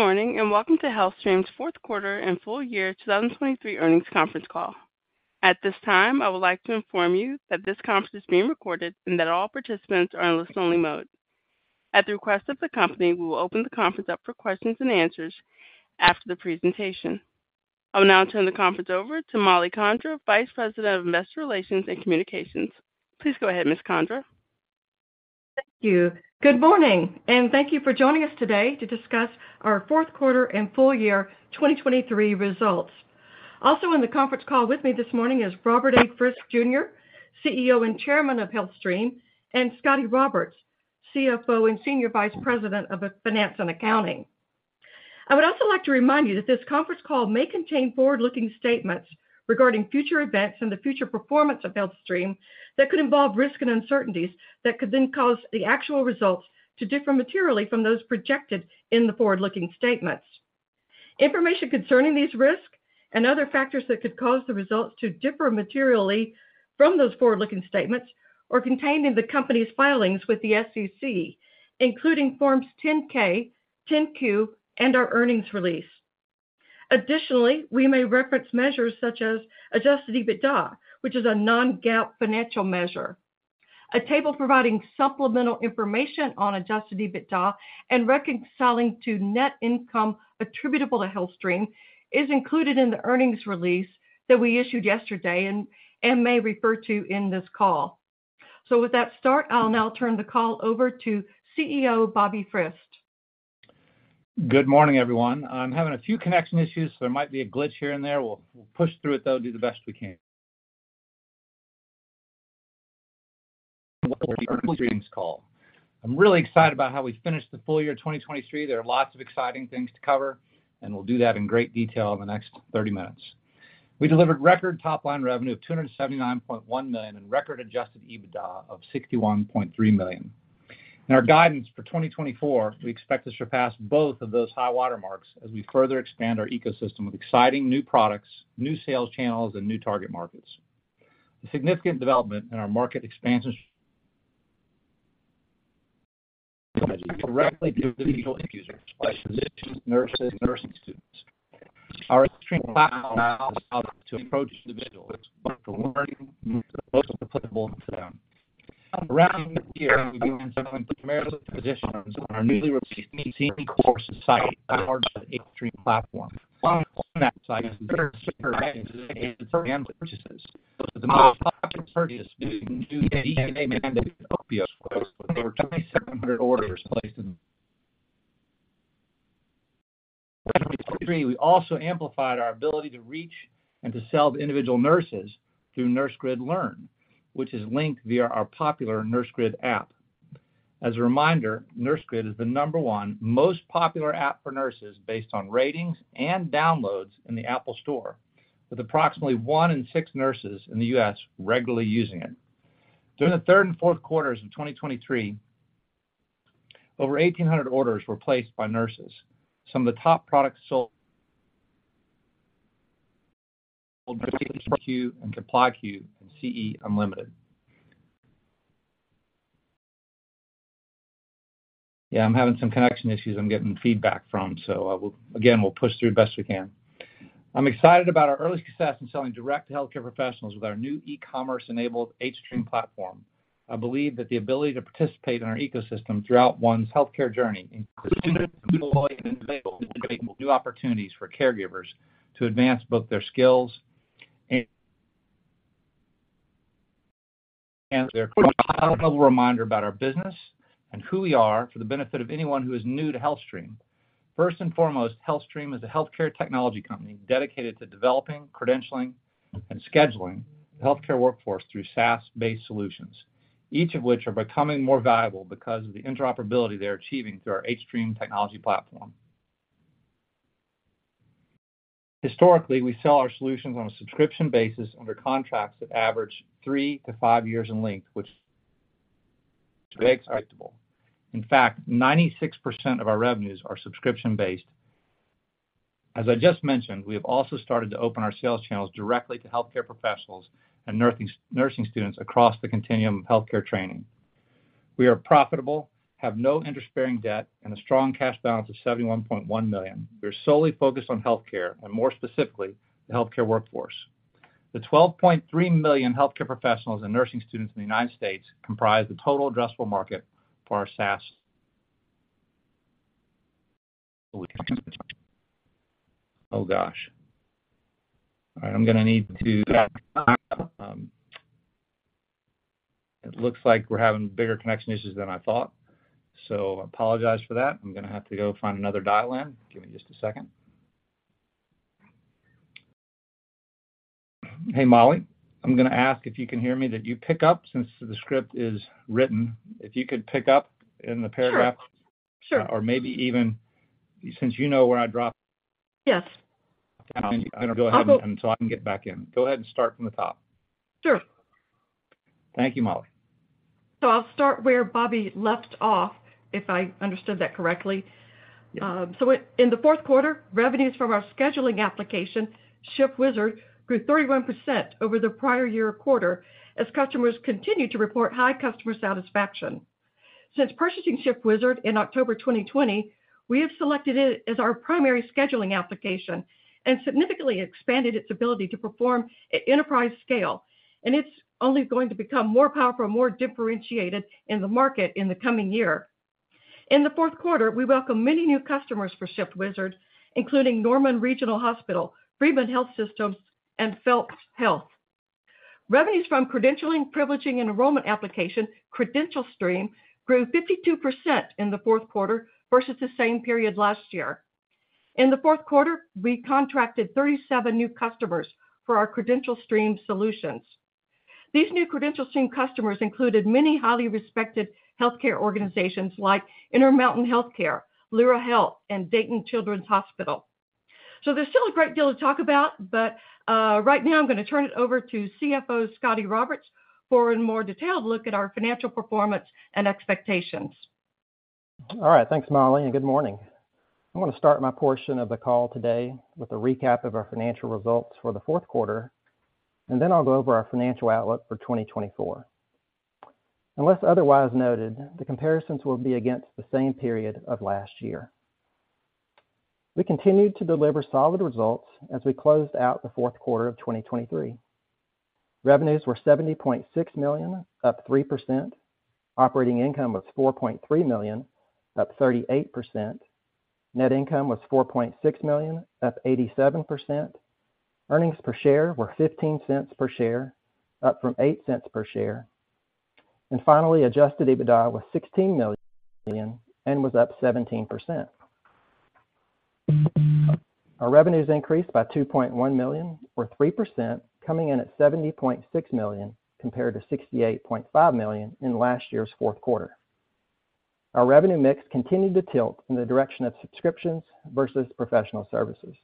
Good morning and welcome to HealthStream's fourth quarter and full year 2023 earnings conference call. At this time, I would like to inform you that this conference is being recorded and that all participants are in listen-only mode. At the request of the company, we will open the conference up for questions and answers after the presentation. I will now turn the conference over to Mollie Condra, Vice President of Investor Relations and Communications. Please go ahead, Ms. Condra. Thank you. Good morning, and thank you for joining us today to discuss our fourth quarter and full year 2023 results. Also in the conference call with me this morning is Robert A. Frist, Jr., CEO and Chairman of HealthStream, and Scotty Roberts, CFO and Senior Vice President of Finance and Accounting. I would also like to remind you that this conference call may contain forward-looking statements regarding future events and the future performance of HealthStream that could involve risk and uncertainties that could then cause the actual results to differ materially from those projected in the forward-looking statements. Information concerning these risks and other factors that could cause the results to differ materially from those forward-looking statements are contained in the company's filings with the SEC, including Forms 10-K, 10-Q, and our earnings release. Additionally, we may reference measures such as adjusted EBITDA, which is a non-GAAP financial measure. A table providing supplemental information on adjusted EBITDA and reconciling to net income attributable to HealthStream is included in the earnings release that we issued yesterday and may refer to in this call. So with that start, I'll now turn the call over to CEO Bobby Frist. Good morning, everyone. I'm having a few connection issues, so there might be a glitch here and there. We'll push through it, though, and do the best we can. Welcome to the earnings call. I'm really excited about how we finished the full year 2023. There are lots of exciting things to cover, and we'll do that in great detail in the next 30 minutes. We delivered record top-line revenue of $279.1 million and record adjusted EBITDA of $61.3 million. In our guidance for 2024, we expect to surpass both of those high watermarks as we further expand our ecosystem with exciting new products, new sales channels, and new target markets. A significant development in our market expansion is directly due to individual issues like physicians, nurses, and nursing students. Our hStream platform allows us to approach individuals with learning that's most applicable to them. Around the year, we begin to implement merit-based positions on our newly released CME course site at our hStream platform. One of the online sites is better-to-shipper advantages and purchases. The most popular purchase due to new DEA-mandated opioids was when there were 2,700 orders placed in. For 2023, we also amplified our ability to reach and to sell to individual nurses through NurseGrid Learn, which is linked via our popular NurseGrid app. As a reminder, NurseGrid is the number one most popular app for nurses based on ratings and downloads in the App Store, with approximately one in six nurses in the U.S. regularly using it. During the third and fourth quarters of 2023, over 1,800 orders were placed by nurses, some of the top products sold were SafetyQ and ComplyQ and CE Unlimited. Yeah, I'm having some connection issues I'm getting feedback from, so again, we'll push through the best we can. I'm excited about our early success in selling direct to healthcare professionals with our new e-commerce-enabled hStream platform. I believe that the ability to participate in our ecosystem throughout one's healthcare journey includes new employee and new available new opportunities for caregivers to advance both their skills and their. A high-level reminder about our business and who we are for the benefit of anyone who is new to HealthStream. First and foremost, HealthStream is a healthcare technology company dedicated to developing, credentialing, and scheduling the healthcare workforce through SaaS-based solutions, each of which are becoming more valuable because of the interoperability they're achieving through our hStream technology platform. Historically, we sell our solutions on a subscription basis under contracts that average 3-5 years in length, which is very acceptable. In fact, 96% of our revenues are subscription-based. As I just mentioned, we have also started to open our sales channels directly to healthcare professionals and nursing students across the continuum of healthcare training. We are profitable, have no interest-bearing debt, and a strong cash balance of $71.1 million. We are solely focused on healthcare and, more specifically, the healthcare workforce. The 12.3 million healthcare professionals and nursing students in the United States comprise the total addressable market for our SaaS. Oh gosh. All right, I'm going to need to. It looks like we're having bigger connection issues than I thought, so I apologize for that. I'm going to have to go find another dial-in. Give me just a second. Hey, Mollie. I'm going to ask if you can hear me that you pick up since the script is written, if you could pick up in the paragraph. Sure. Or maybe even since you know where I dropped off. Yes. You're going to go ahead and so I can get back in. Go ahead and start from the top. Sure. Thank you, Mollie. So I'll start where Bobby left off, if I understood that correctly. So in the fourth quarter, revenues from our scheduling application, ShiftWizard, grew 31% over the prior year quarter as customers continue to report high customer satisfaction. Since purchasing ShiftWizard in October 2020, we have selected it as our primary scheduling application and significantly expanded its ability to perform at enterprise scale, and it's only going to become more powerful and more differentiated in the market in the coming year. In the fourth quarter, we welcome many new customers for ShiftWizard, including Norman Regional Health System, Freeman Health System, and Phelps Health. Revenues from credentialing, privileging, and enrollment application, CredentialStream, grew 52% in the fourth quarter versus the same period last year. In the fourth quarter, we contracted 37 new customers for our CredentialStream solutions. These new CredentialStream customers included many highly respected healthcare organizations like Intermountain Health, Lyra Health, and Dayton Children's Hospital. So there's still a great deal to talk about, but right now I'm going to turn it over to CFO Scotty Roberts for a more detailed look at our financial performance and expectations. All right, thanks, Mollie, and good morning. I'm going to start my portion of the call today with a recap of our financial results for the fourth quarter, and then I'll go over our financial outlook for 2024. Unless otherwise noted, the comparisons will be against the same period of last year. We continued to deliver solid results as we closed out the fourth quarter of 2023. Revenues were $70.6 million, up 3%. Operating income was $4.3 million, up 38%. Net income was $4.6 million, up 87%. Earnings per share were $0.15 per share, up from $0.08 per share. And finally, adjusted EBITDA was $16 million and was up 17%. Our revenues increased by $2.1 million, or 3%, coming in at $70.6 million compared to $68.5 million in last year's fourth quarter. Our revenue mix continued to tilt in the direction of subscriptions versus professional services.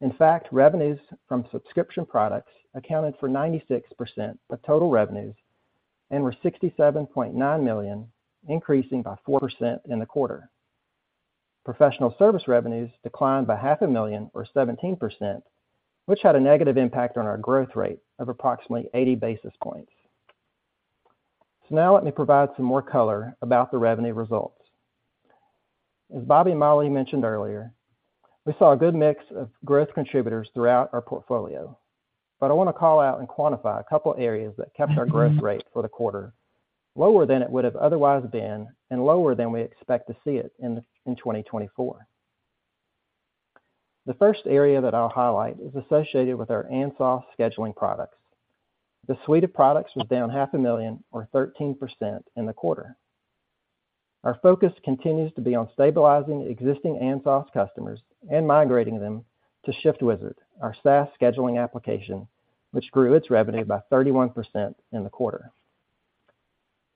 In fact, revenues from subscription products accounted for 96% of total revenues and were $67.9 million, increasing by 4% in the quarter. Professional service revenues declined by $500,000, or 17%, which had a negative impact on our growth rate of approximately 80 basis points. So now let me provide some more color about the revenue results. As Bobby and Mollie mentioned earlier, we saw a good mix of growth contributors throughout our portfolio, but I want to call out and quantify a couple of areas that kept our growth rate for the quarter lower than it would have otherwise been and lower than we expect to see it in 2024. The first area that I'll highlight is associated with our ANSOS scheduling products. The suite of products was down $500,000, or 13%, in the quarter. Our focus continues to be on stabilizing existing ANSOS customers and migrating them to ShiftWizard, our SaaS scheduling application, which grew its revenue by 31% in the quarter.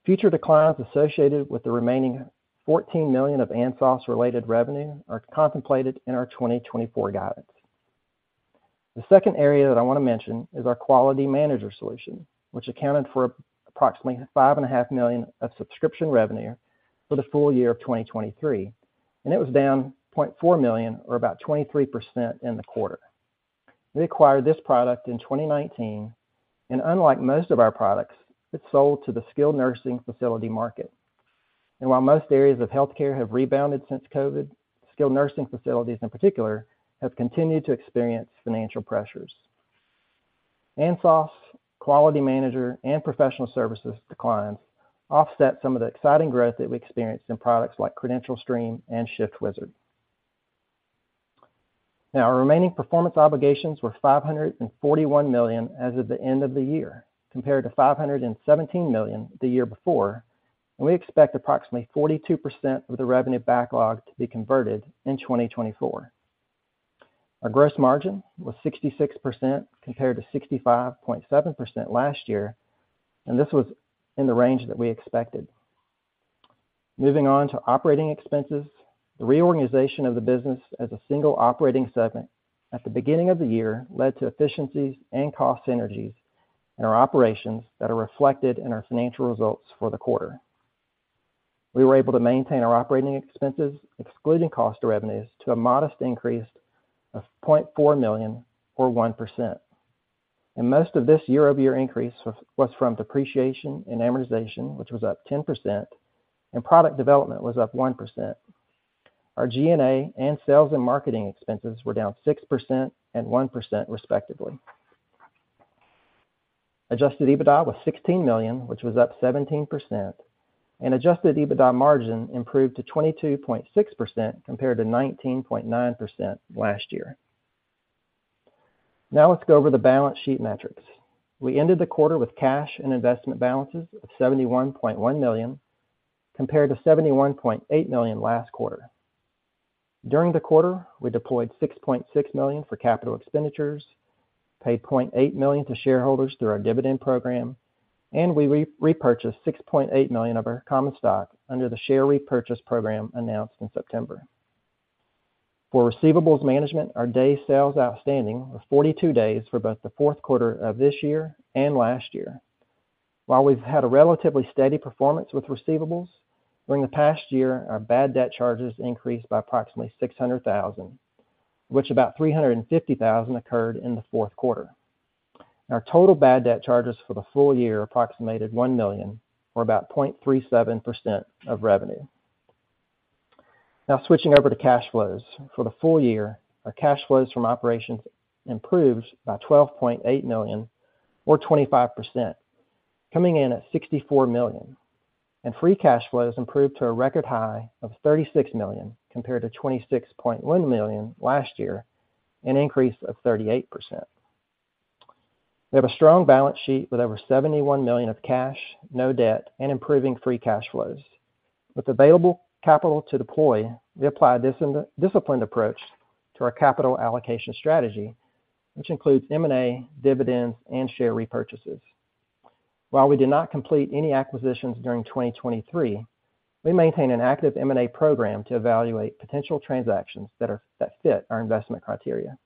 Future declines associated with the remaining $14 million of ANSOS-related revenue are contemplated in our 2024 guidance. The second area that I want to mention is our Quality Manager solution, which accounted for approximately $5.5 million of subscription revenue for the full year of 2023, and it was down $0.4 million, or about 23%, in the quarter. We acquired this product in 2019, and unlike most of our products, it sold to the skilled nursing facility market. While most areas of healthcare have rebounded since COVID, skilled nursing facilities in particular have continued to experience financial pressures. ANSOS' Quality Manager and professional services declines offset some of the exciting growth that we experienced in products like CredentialStream and ShiftWizard. Now, our remaining performance obligations were $541 million as of the end of the year compared to $517 million the year before, and we expect approximately 42% of the revenue backlog to be converted in 2024. Our gross margin was 66% compared to 65.7% last year, and this was in the range that we expected. Moving on to operating expenses, the reorganization of the business as a single operating segment at the beginning of the year led to efficiencies and cost synergies in our operations that are reflected in our financial results for the quarter. We were able to maintain our operating expenses, excluding cost to revenues, to a modest increase of $0.4 million, or 1%. Most of this year-over-year increase was from depreciation and amortization, which was up 10%, and product development was up 1%. Our G&A and sales and marketing expenses were down 6% and 1%, respectively. Adjusted EBITDA was $16 million, which was up 17%, and adjusted EBITDA margin improved to 22.6% compared to 19.9% last year. Now let's go over the balance sheet metrics. We ended the quarter with cash and investment balances of $71.1 million compared to $71.8 million last quarter. During the quarter, we deployed $6.6 million for capital expenditures, paid $0.8 million to shareholders through our dividend program, and we repurchased $6.8 million of our common stock under the share repurchase program announced in September. For receivables management, our days sales outstanding were 42 days for both the fourth quarter of this year and last year. While we've had a relatively steady performance with receivables, during the past year, our bad debt charges increased by approximately $600,000, of which about $350,000 occurred in the fourth quarter. Our total bad debt charges for the full year approximated $1 million, or about 0.37% of revenue. Now switching over to cash flows. For the full year, our cash flows from operations improved by $12.8 million, or 25%, coming in at $64 million. Free cash flows improved to a record high of $36 million compared to $26.1 million last year, an increase of 38%. We have a strong balance sheet with over $71 million of cash, no debt, and improving free cash flows. With available capital to deploy, we apply this disciplined approach to our capital allocation strategy, which includes M&A, dividends, and share repurchases. While we did not complete any acquisitions during 2023, we maintain an active M&A program to evaluate potential transactions that fit our investment criteria.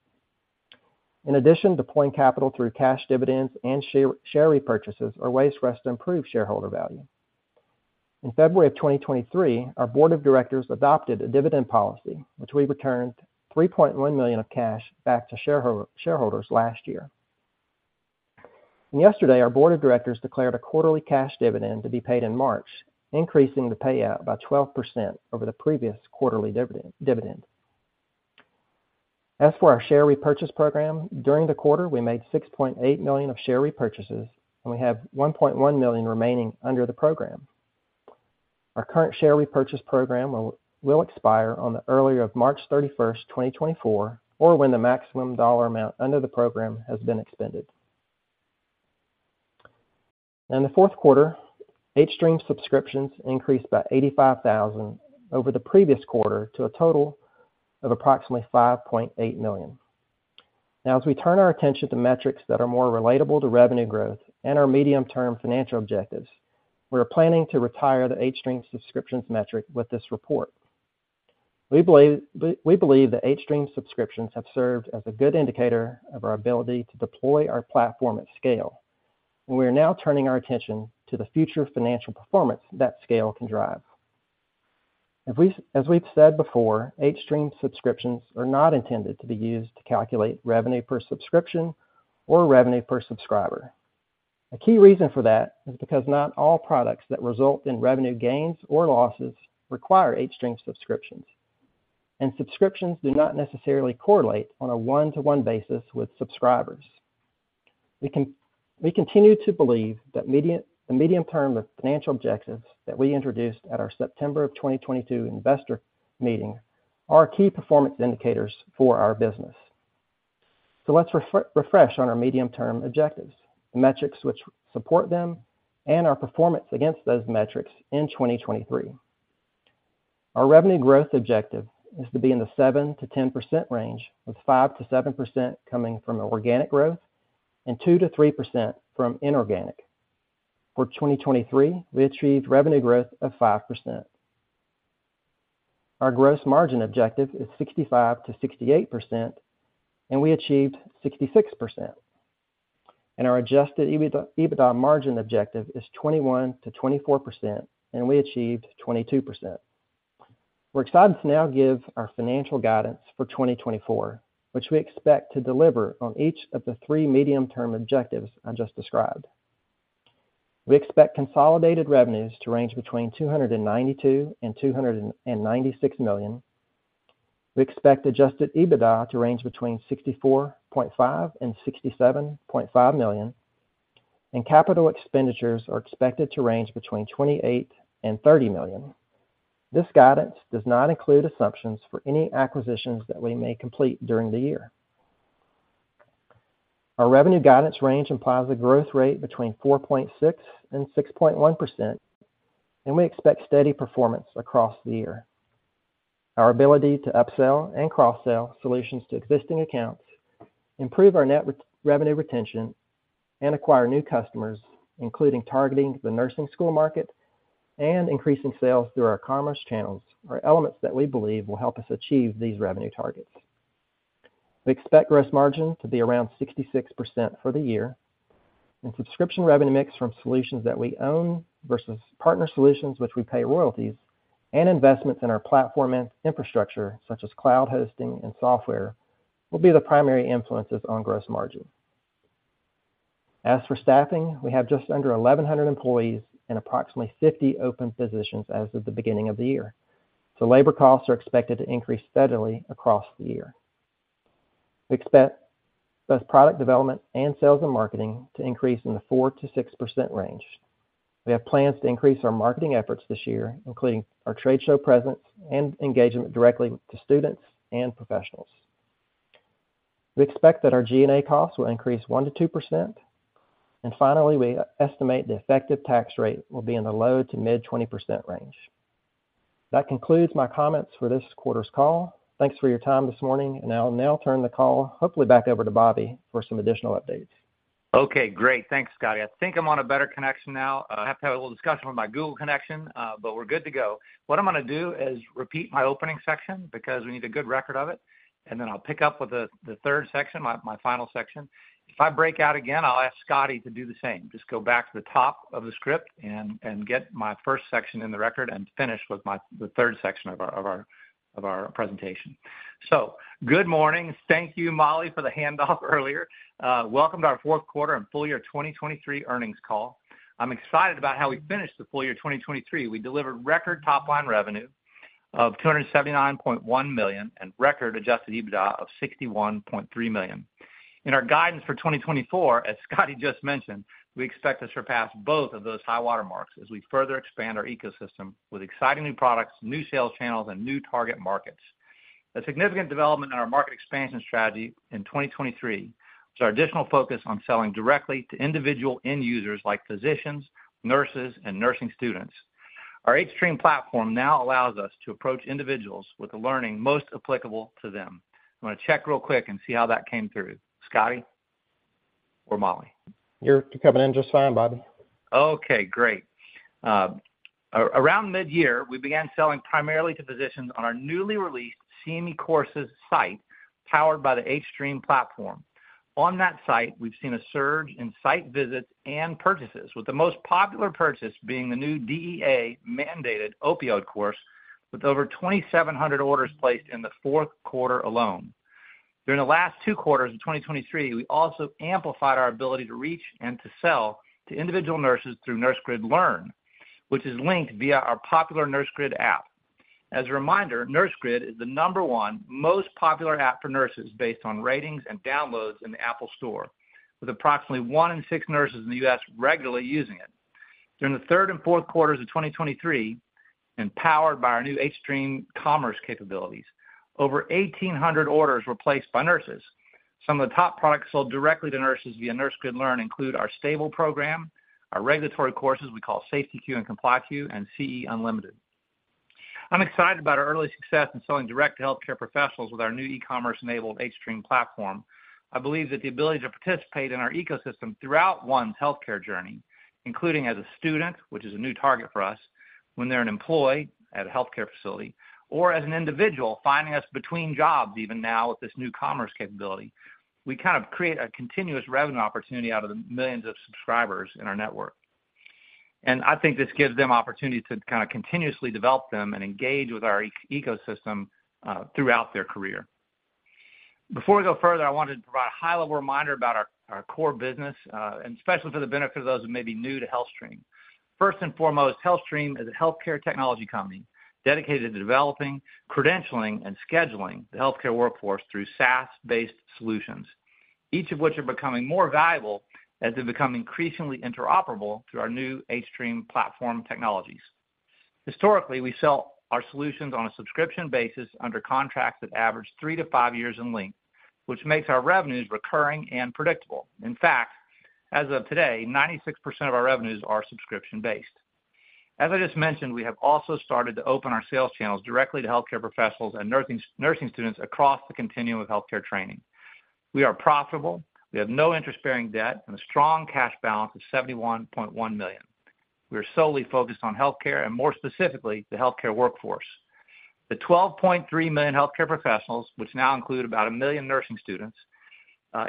In addition, deploying capital through cash dividends and share repurchases are ways for us to improve shareholder value. In February of 2023, our board of directors adopted a dividend policy, which we returned $3.1 million of cash back to shareholders last year. Yesterday, our board of directors declared a quarterly cash dividend to be paid in March, increasing the payout by 12% over the previous quarterly dividend. As for our share repurchase program, during the quarter, we made $6.8 million of share repurchases, and we have $1.1 million remaining under the program. Our current share repurchase program will expire on the earlier of March 31st, 2024, or when the maximum dollar amount under the program has been expended. Now in the fourth quarter, hStream subscriptions increased by 85,000 over the previous quarter to a total of approximately 5.8 million. Now as we turn our attention to metrics that are more relatable to revenue growth and our medium-term financial objectives, we are planning to retire the hStream subscriptions metric with this report. We believe that hStream subscriptions have served as a good indicator of our ability to deploy our platform at scale, and we are now turning our attention to the future financial performance that scale can drive. As we've said before, hStream subscriptions are not intended to be used to calculate revenue per subscription or revenue per subscriber. A key reason for that is because not all products that result in revenue gains or losses require hStream subscriptions, and subscriptions do not necessarily correlate on a one-to-one basis with subscribers. We continue to believe that the medium-term financial objectives that we introduced at our September of 2022 investor meeting are key performance indicators for our business. So let's refresh on our medium-term objectives, the metrics which support them, and our performance against those metrics in 2023. Our revenue growth objective is to be in the 7%-10% range, with 5%-7% coming from organic growth and 2%-3% from inorganic. For 2023, we achieved revenue growth of 5%. Our gross margin objective is 65%-68%, and we achieved 66%. Our adjusted EBITDA margin objective is 21%-24%, and we achieved 22%. We're excited to now give our financial guidance for 2024, which we expect to deliver on each of the three medium-term objectives I just described. We expect consolidated revenues to range between $292 million and $296 million. We expect adjusted EBITDA to range between $64.5 million-$67.5 million, and capital expenditures are expected to range between $28 million-$30 million. This guidance does not include assumptions for any acquisitions that we may complete during the year. Our revenue guidance range implies a growth rate between 4.6%-6.1%, and we expect steady performance across the year. Our ability to upsell and cross-sell solutions to existing accounts, improve our net revenue retention, and acquire new customers, including targeting the nursing school market and increasing sales through our commerce channels, are elements that we believe will help us achieve these revenue targets. We expect gross margin to be around 66% for the year, and subscription revenue mix from solutions that we own versus partner solutions, which we pay royalties, and investments in our platform infrastructure, such as cloud hosting and software, will be the primary influences on gross margin. As for staffing, we have just under 1,100 employees and approximately 50 open positions as of the beginning of the year. So labor costs are expected to increase steadily across the year. We expect both product development and sales and marketing to increase in the 4%-6% range. We have plans to increase our marketing efforts this year, including our trade show presence and engagement directly to students and professionals. We expect that our G&A costs will increase 1%-2%, and finally, we estimate the effective tax rate will be in the low- to mid-20% range. That concludes my comments for this quarter's call. Thanks for your time this morning, and I'll now turn the call, hopefully back over to Bobby for some additional updates. Okay, great. Thanks, Scotty. I think I'm on a better connection now. I have to have a little discussion with my Google connection, but we're good to go. What I'm going to do is repeat my opening section because we need a good record of it, and then I'll pick up with the third section, my final section. If I break out again, I'll ask Scotty to do the same. Just go back to the top of the script and get my first section in the record and finish with the third section of our presentation. So good morning. Thank you, Mollie, for the handoff earlier. Welcome to our fourth quarter and full year 2023 earnings call. I'm excited about how we finished the full year 2023. We delivered record top-line revenue of $279.1 million and record adjusted EBITDA of $61.3 million. In our guidance for 2024, as Scotty just mentioned, we expect to surpass both of those high watermarks as we further expand our ecosystem with exciting new products, new sales channels, and new target markets. A significant development in our market expansion strategy in 2023 was our additional focus on selling directly to individual end users like physicians, nurses, and nursing students. Our hStream platform now allows us to approach individuals with the learning most applicable to them. I'm going to check real quick and see how that came through. Scotty or Mollie? You're coming in just fine, Bobby. Okay, great. Around mid-year, we began selling primarily to physicians on our newly released CME courses site powered by the hStream platform. On that site, we've seen a surge in site visits and purchases, with the most popular purchase being the new DEA mandated opioid course with over 2,700 orders placed in the fourth quarter alone. During the last two quarters of 2023, we also amplified our ability to reach and to sell to individual nurses through NurseGrid Learn, which is linked via our popular NurseGrid app. As a reminder, NurseGrid is the number one most popular app for nurses based on ratings and downloads in the Apple Store, with approximately one in six nurses in the U.S. regularly using it. During the third and fourth quarters of 2023, and powered by our new hStream commerce capabilities, over 1,800 orders were placed by nurses. Some of the top products sold directly to nurses via NurseGrid Learn include our S.T.A.B.L.E. Program, our regulatory courses we call SafetyQ and ComplyQ, and CE Unlimited. I'm excited about our early success in selling direct to healthcare professionals with our new e-commerce-enabled hStream platform. I believe that the ability to participate in our ecosystem throughout one's healthcare journey, including as a student, which is a new target for us, when they're an employee at a healthcare facility, or as an individual finding us between jobs even now with this new commerce capability, we kind of create a continuous revenue opportunity out of the millions of subscribers in our network. I think this gives them opportunity to kind of continuously develop them and engage with our ecosystem throughout their career. Before we go further, I wanted to provide a high-level reminder about our core business, and especially for the benefit of those who may be new to HealthStream. First and foremost, HealthStream is a healthcare technology company dedicated to developing, credentialing, and scheduling the healthcare workforce through SaaS-based solutions, each of which are becoming more valuable as they become increasingly interoperable through our new hStream platform technologies. Historically, we sell our solutions on a subscription basis under contracts that average three to five years in length, which makes our revenues recurring and predictable. In fact, as of today, 96% of our revenues are subscription-based. As I just mentioned, we have also started to open our sales channels directly to healthcare professionals and nursing students across the continuum of healthcare training. We are profitable. We have no interest-bearing debt and a strong cash balance of $71.1 million. We are solely focused on healthcare and more specifically the healthcare workforce. The 12.3 million healthcare professionals, which now include about 1 million nursing students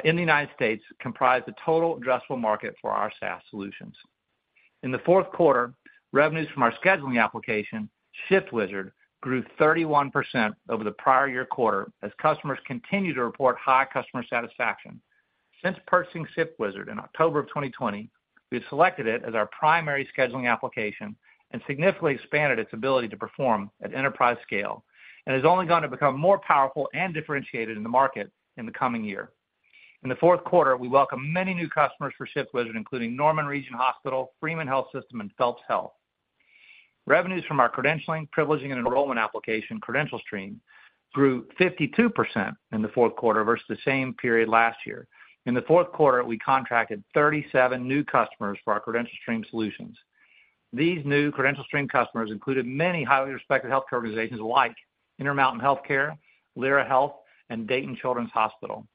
in the United States, comprise the total addressable market for our SaaS solutions. In the fourth quarter, revenues from our scheduling application, ShiftWizard, grew 31% over the prior year quarter as customers continue to report high customer satisfaction. Since purchasing ShiftWizard in October of 2020, we have selected it as our primary scheduling application and significantly expanded its ability to perform at enterprise scale and has only gone to become more powerful and differentiated in the market in the coming year. In the fourth quarter, we welcome many new customers for ShiftWizard, including Norman Regional Health System, Freeman Health System, and Phelps Health. Revenues from our credentialing, privileging, and enrollment application, CredentialStream, grew 52% in the fourth quarter versus the same period last year. In the fourth quarter, we contracted 37 new customers for our CredentialStream solutions. These new CredentialStream customers included many highly respected healthcare organizations like Intermountain Health, Lyra Health, and Dayton Children's Hospital.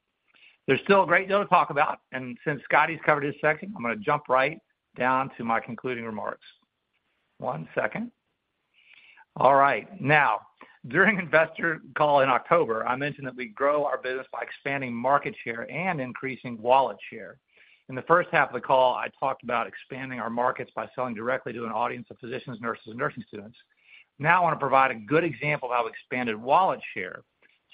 There's still a great deal to talk about, and since Scotty's covered his section, I'm going to jump right down to my concluding remarks. One second. All right. Now, during Investor Call in October, I mentioned that we grow our business by expanding market share and increasing wallet share. In the first half of the call, I talked about expanding our markets by selling directly to an audience of physicians, nurses, and nursing students. Now I want to provide a good example of how we expanded wallet share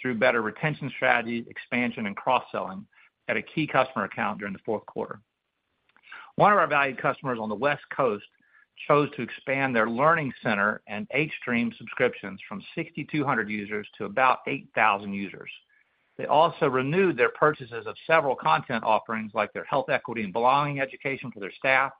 through better retention strategies, expansion, and cross-selling at a key customer account during the fourth quarter. One of our valued customers on the West Coast chose to expand their learning center and hStream subscriptions from 6,200 users to about 8,000 users. They also renewed their purchases of several content offerings like their health equity and belonging education for their staff,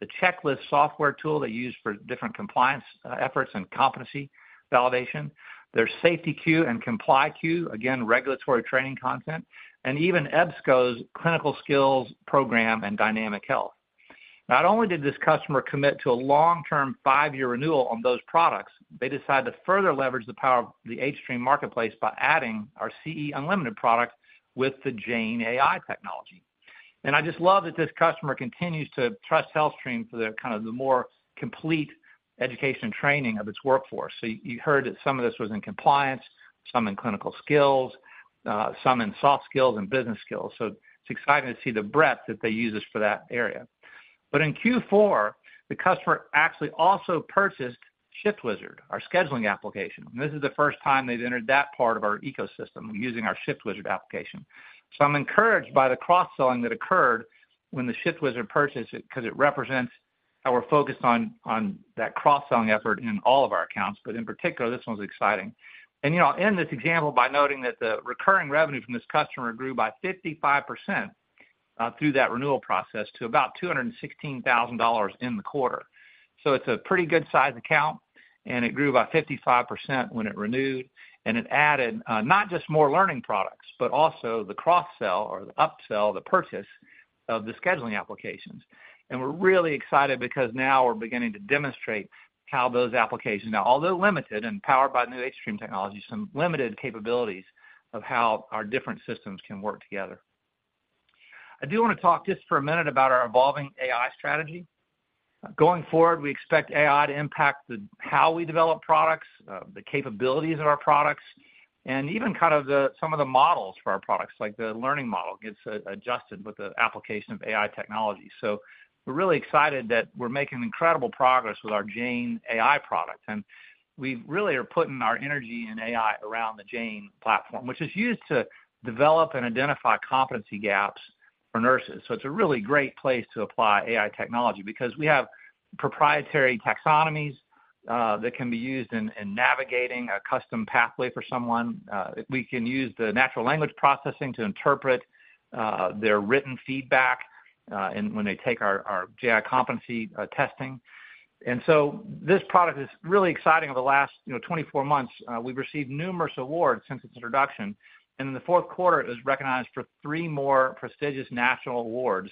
the checklist software tool they use for different compliance efforts and competency validation, their SafetyQ and ComplyQ, again, regulatory training content, and even EBSCO's clinical skills program and Dynamic Health. Not only did this customer commit to a long-term five-year renewal on those products, they decided to further leverage the power of the hStream marketplace by adding our CE Unlimited product with the Jane AI technology. And I just love that this customer continues to trust HealthStream for kind of the more complete education and training of its workforce. So you heard that some of this was in compliance, some in clinical skills, some in soft skills and business skills. So it's exciting to see the breadth that they use this for that area. But in Q4, the customer actually also purchased ShiftWizard, our scheduling application. This is the first time they've entered that part of our ecosystem using our ShiftWizard application. So I'm encouraged by the cross-selling that occurred when the ShiftWizard purchased it because it represents how we're focused on that cross-selling effort in all of our accounts. But in particular, this one's exciting. And I'll end this example by noting that the recurring revenue from this customer grew by 55% through that renewal process to about $216,000 in the quarter. So it's a pretty good-sized account, and it grew by 55% when it renewed, and it added not just more learning products, but also the cross-sell or the upsell, the purchase of the scheduling applications. And we're really excited because now we're beginning to demonstrate how those applications now, although limited and powered by new hStream technologies, some limited capabilities of how our different systems can work together. I do want to talk just for a minute about our evolving AI strategy. Going forward, we expect AI to impact how we develop products, the capabilities of our products, and even kind of some of the models for our products, like the learning model gets adjusted with the application of AI technology. So we're really excited that we're making incredible progress with our Jane AI product, and we really are putting our energy in AI around the Jane platform, which is used to develop and identify competency gaps for nurses. So it's a really great place to apply AI technology because we have proprietary taxonomies that can be used in navigating a custom pathway for someone. We can use the natural language processing to interpret their written feedback when they take our Jane competency testing. And so this product is really exciting. Over the last 24 months, we've received numerous awards since its introduction. And in the fourth quarter, it was recognized for three more prestigious national awards,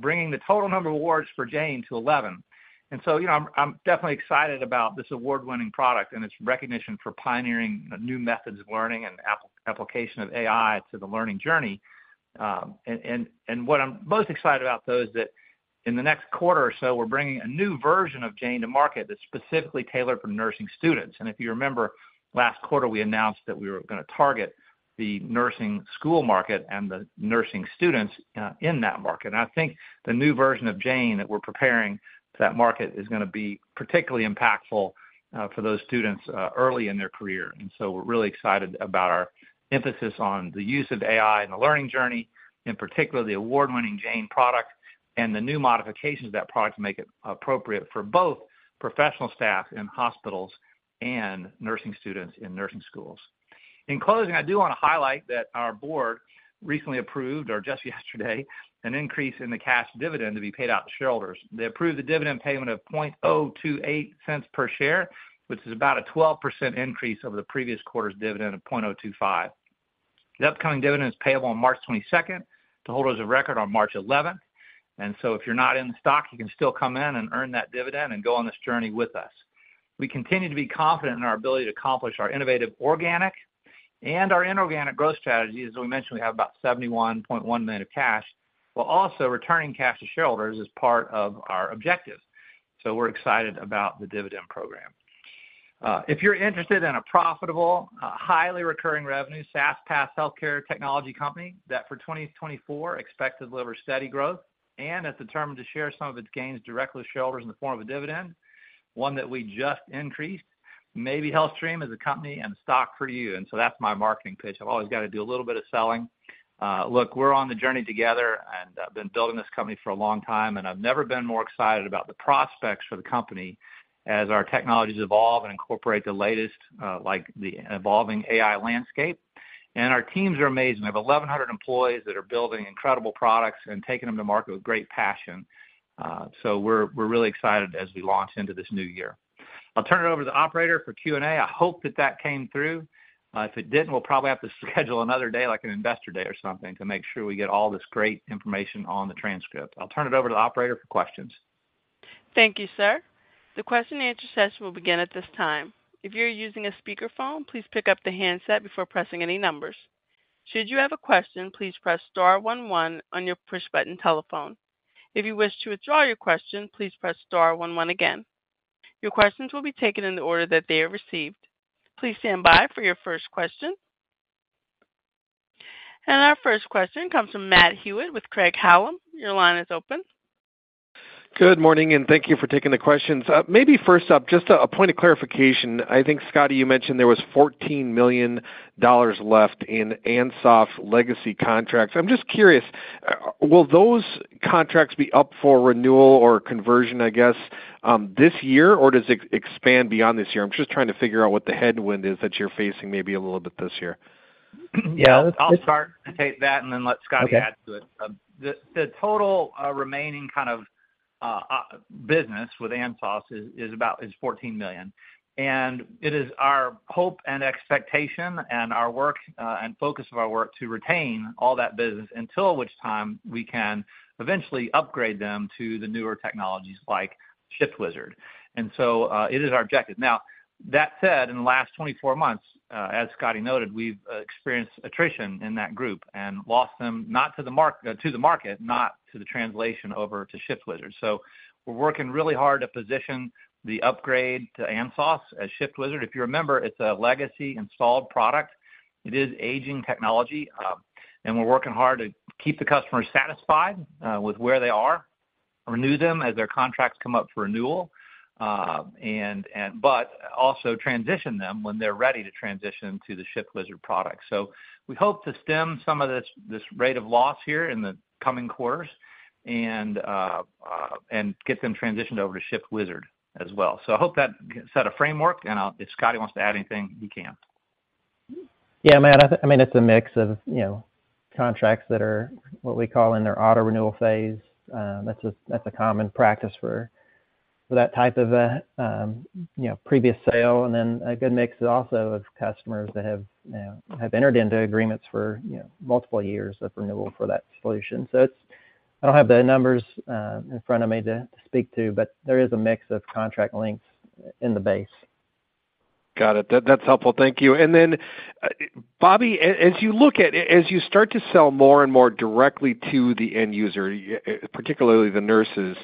bringing the total number of awards for Jane to 11. And so I'm definitely excited about this award-winning product and its recognition for pioneering new methods of learning and application of AI to the learning journey. And what I'm most excited about, though, is that in the next quarter or so, we're bringing a new version of Jane to market that's specifically tailored for nursing students. And if you remember, last quarter, we announced that we were going to target the nursing school market and the nursing students in that market. And I think the new version of Jane that we're preparing for that market is going to be particularly impactful for those students early in their career. And so we're really excited about our emphasis on the use of AI in the learning journey, in particular the award-winning Jane product, and the new modifications of that product to make it appropriate for both professional staff in hospitals and nursing students in nursing schools. In closing, I do want to highlight that our board recently approved, or just yesterday, an increase in the cash dividend to be paid out to shareholders. They approved the dividend payment of $0.028 per share, which is about a 12% increase over the previous quarter's dividend of $0.025. The upcoming dividend is payable on March 22nd to holders of record on March 11th. And so if you're not in the stock, you can still come in and earn that dividend and go on this journey with us. We continue to be confident in our ability to accomplish our innovative organic and our inorganic growth strategies. As we mentioned, we have about $71.1 million of cash while also returning cash to shareholders as part of our objectives. So we're excited about the dividend program. If you're interested in a profitable, highly recurring revenue SaaS-based healthcare technology company that for 2024 expects to deliver steady growth and is determined to share some of its gains directly with shareholders in the form of a dividend, one that we just increased, maybe HealthStream is a company and a stock for you. And so that's my marketing pitch. I've always got to do a little bit of selling. Look, we're on the journey together, and I've been building this company for a long time, and I've never been more excited about the prospects for the company as our technologies evolve and incorporate the latest like the evolving AI landscape. And our teams are amazing. We have 1,100 employees that are building incredible products and taking them to market with great passion. So we're really excited as we launch into this new year. I'll turn it over to the operator for Q&A. I hope that that came through. If it didn't, we'll probably have to schedule another day, like an Investor Day or something, to make sure we get all this great information on the transcript. I'll turn it over to the operator for questions. Thank you, sir. The question-and-answer session will begin at this time. If you're using a speakerphone, please pick up the handset before pressing any numbers. Should you have a question, please press star one one on your push-button telephone. If you wish to withdraw your question, please press star one one again. Your questions will be taken in the order that they are received. Please stand by for your first question. Our first question comes from Matthew Hewitt with Craig-Hallum. Your line is open. Good morning, and thank you for taking the questions. Maybe first up, just a point of clarification. I think, Scotty, you mentioned there was $14 million left in ANSOS legacy contracts. I'm just curious, will those contracts be up for renewal or conversion, I guess, this year, or does it expand beyond this year? I'm just trying to figure out what the headwind is that you're facing maybe a little bit this year. Yeah. I'll start to take that, and then let Scotty add to it. The total remaining kind of business with ANSOS is about $14 million. It is our hope and expectation and our work and focus of our work to retain all that business, until which time we can eventually upgrade them to the newer technologies like ShiftWizard. So it is our objective. Now, that said, in the last 24 months, as Scotty noted, we've experienced attrition in that group and lost them not to the market, not to the translation over to ShiftWizard. So we're working really hard to position the upgrade to ANSOS as ShiftWizard. If you remember, it's a legacy installed product. It is aging technology. And we're working hard to keep the customers satisfied with where they are, renew them as their contracts come up for renewal, but also transition them when they're ready to transition to the ShiftWizard product. So we hope to stem some of this rate of loss here in the coming quarters and get them transitioned over to ShiftWizard as well. So I hope that set a framework, and if Scotty wants to add anything, he can. Yeah, man. I mean, it's a mix of contracts that are what we call in their auto-renewal phase. That's a common practice for that type of previous sale, and then a good mix also of customers that have entered into agreements for multiple years of renewal for that solution. So I don't have the numbers in front of me to speak to, but there is a mix of contract lengths in the base. Got it. That's helpful. Thank you. And then, Bobby, as you start to sell more and more directly to the end user, particularly the nurses,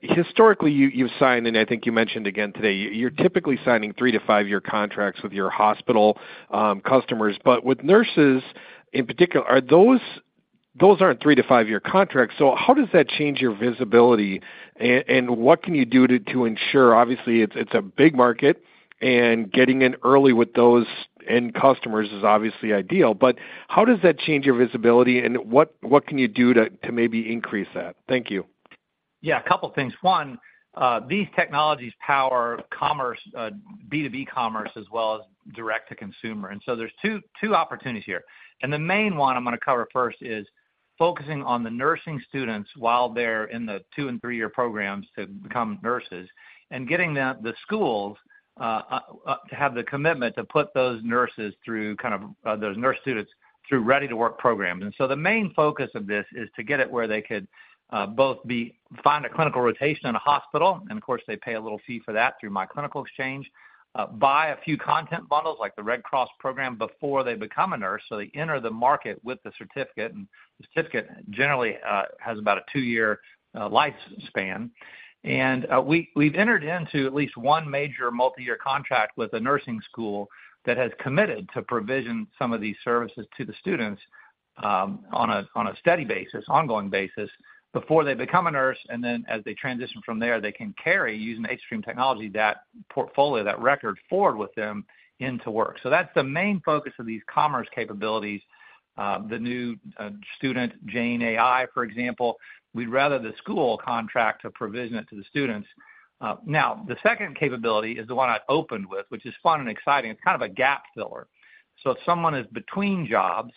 historically, you've signed in, I think you mentioned again today, you're typically signing three to five-year contracts with your hospital customers. But with nurses in particular, those aren't three to five-year contracts. So how does that change your visibility, and what can you do to ensure obviously, it's a big market, and getting in early with those end customers is obviously ideal. But how does that change your visibility, and what can you do to maybe increase that? Thank you. Yeah, a couple of things. One, these technologies power B2B commerce as well as direct-to-consumer. And so there's two opportunities here. And the main one I'm going to cover first is focusing on the nursing students while they're in the two and three-year programs to become nurses and getting the schools to have the commitment to put those nurses through kind of those nurse students through ready-to-work programs. And so the main focus of this is to get it where they could both find a clinical rotation in a hospital and of course, they pay a little fee for that through myClinicalExchange buy a few content bundles like the Red Cross program before they become a nurse. So they enter the market with the certificate, and the certificate generally has about a two-year life span. We've entered into at least one major multi-year contract with a nursing school that has committed to provision some of these services to the students on a steady basis, ongoing basis, before they become a nurse. And then as they transition from there, they can carry, using hStream technology, that portfolio, that record forward with them into work. So that's the main focus of these commerce capabilities, the new student Jane AI, for example. We'd rather the school contract to provision it to the students. Now, the second capability is the one I opened with, which is fun and exciting. It's kind of a gap filler. So if someone is between jobs,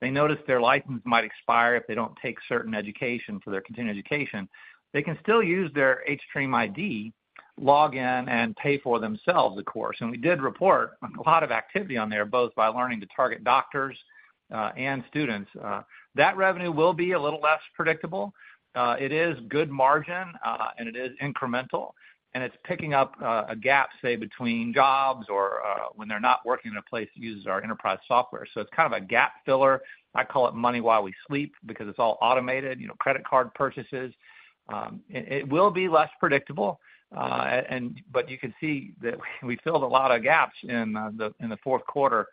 they notice their license might expire if they don't take certain education for their continuing education, they can still use their hStream ID, log in, and pay for themselves, of course. We did report a lot of activity on there, both by learning to target doctors and students. That revenue will be a little less predictable. It is good margin, and it is incremental. It's picking up a gap, say, between jobs or when they're not working in a place that uses our enterprise software. It's kind of a gap filler. I call it money while we sleep because it's all automated, credit card purchases. It will be less predictable, but you can see that we filled a lot of gaps in the fourth quarter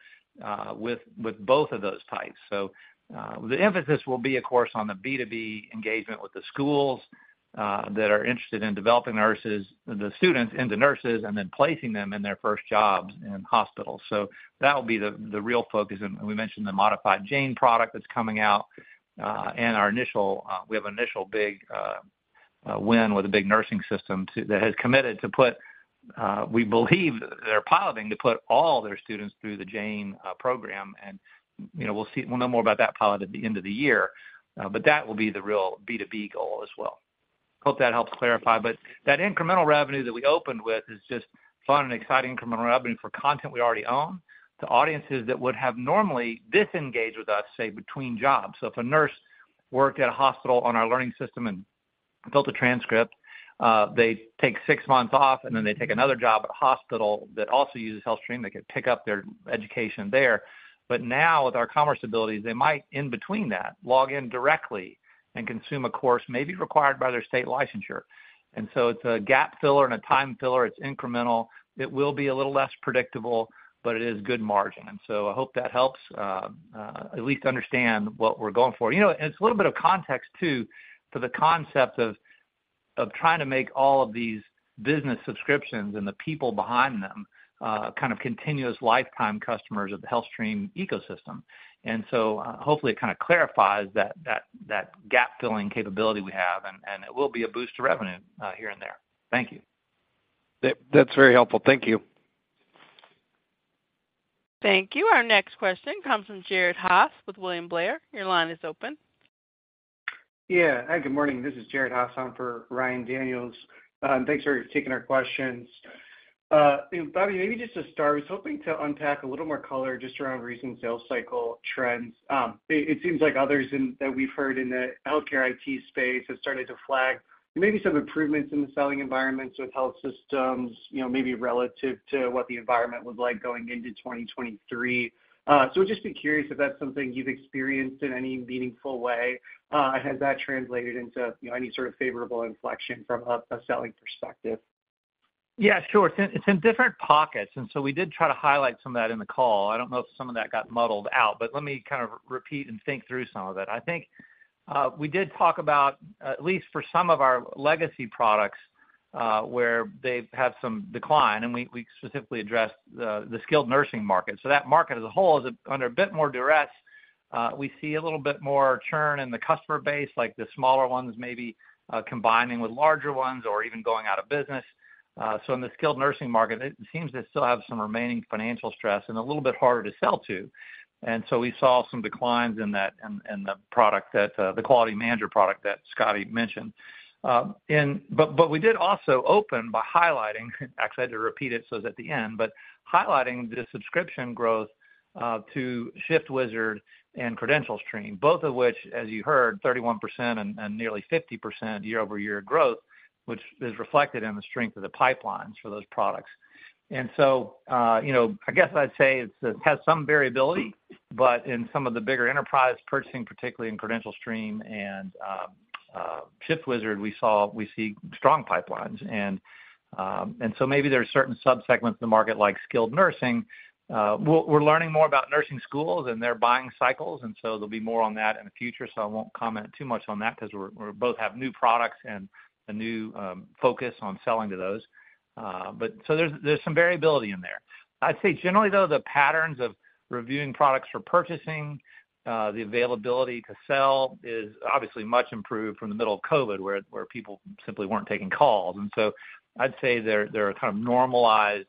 with both of those types. The emphasis will be, of course, on the B2B engagement with the schools that are interested in developing the students into nurses and then placing them in their first jobs in hospitals. That will be the real focus. We mentioned the modified Jane product that's coming out. We have an initial big win with a big nursing system that has committed. We believe they're piloting to put all their students through the Jane program. We'll know more about that pilot at the end of the year. But that will be the real B2B goal as well. Hope that helps clarify. But that incremental revenue that we opened with is just fun and exciting incremental revenue for content we already own to audiences that would have normally disengaged with us, say, between jobs. So if a nurse worked at a hospital on our learning system and built a transcript, they take six months off, and then they take another job at a hospital that also uses HealthStream, they could pick up their education there. But now, with our commerce abilities, they might, in between that, log in directly and consume a course maybe required by their state licensure. And so it's a gap filler and a time filler. It's incremental. It will be a little less predictable, but it is good margin. And so I hope that helps at least understand what we're going for. And it's a little bit of context, too, to the concept of trying to make all of these business subscriptions and the people behind them kind of continuous lifetime customers of the HealthStream ecosystem. And so hopefully, it kind of clarifies that gap filling capability we have, and it will be a boost to revenue here and there. Thank you. That's very helpful. Thank you. Thank you. Our next question comes from Jared Haase with William Blair. Your line is open. Yeah. Hi, good morning. This is Jared Haase. I'm for Ryan Daniels. Thanks for taking our questions. Bobby, maybe just to start, I was hoping to unpack a little more color just around recent sales cycle trends. It seems like others that we've heard in the healthcare IT space have started to flag maybe some improvements in the selling environments with health systems, maybe relative to what the environment was like going into 2023. So I'd just be curious if that's something you've experienced in any meaningful way. Has that translated into any sort of favorable inflection from a selling perspective? Yeah, sure. It's in different pockets. And so we did try to highlight some of that in the call. I don't know if some of that got muddled out, but let me kind of repeat and think through some of it. I think we did talk about, at least for some of our legacy products, where they have some decline. And we specifically addressed the skilled nursing market. So that market as a whole is under a bit more duress. We see a little bit more churn in the customer base, like the smaller ones maybe combining with larger ones or even going out of business. So in the skilled nursing market, it seems they still have some remaining financial stress and a little bit harder to sell to. And so we saw some declines in the Quality Manager product that Scotty mentioned. But we did also open by highlighting actually, I had to repeat it so it's at the end, but highlighting the subscription growth to ShiftWizard and CredentialStream, both of which, as you heard, 31% and nearly 50% year-over-year growth, which is reflected in the strength of the pipelines for those products. And so I guess I'd say it has some variability, but in some of the bigger enterprise purchasing, particularly in CredentialStream and ShiftWizard, we see strong pipelines. And so maybe there are certain subsegments of the market like skilled nursing. We're learning more about nursing schools, and they're buying cycles. And so there'll be more on that in the future. So I won't comment too much on that because we both have new products and a new focus on selling to those. So there's some variability in there. I'd say generally, though, the patterns of reviewing products for purchasing, the availability to sell, is obviously much improved from the middle of COVID, where people simply weren't taking calls. And so I'd say there are kind of normalized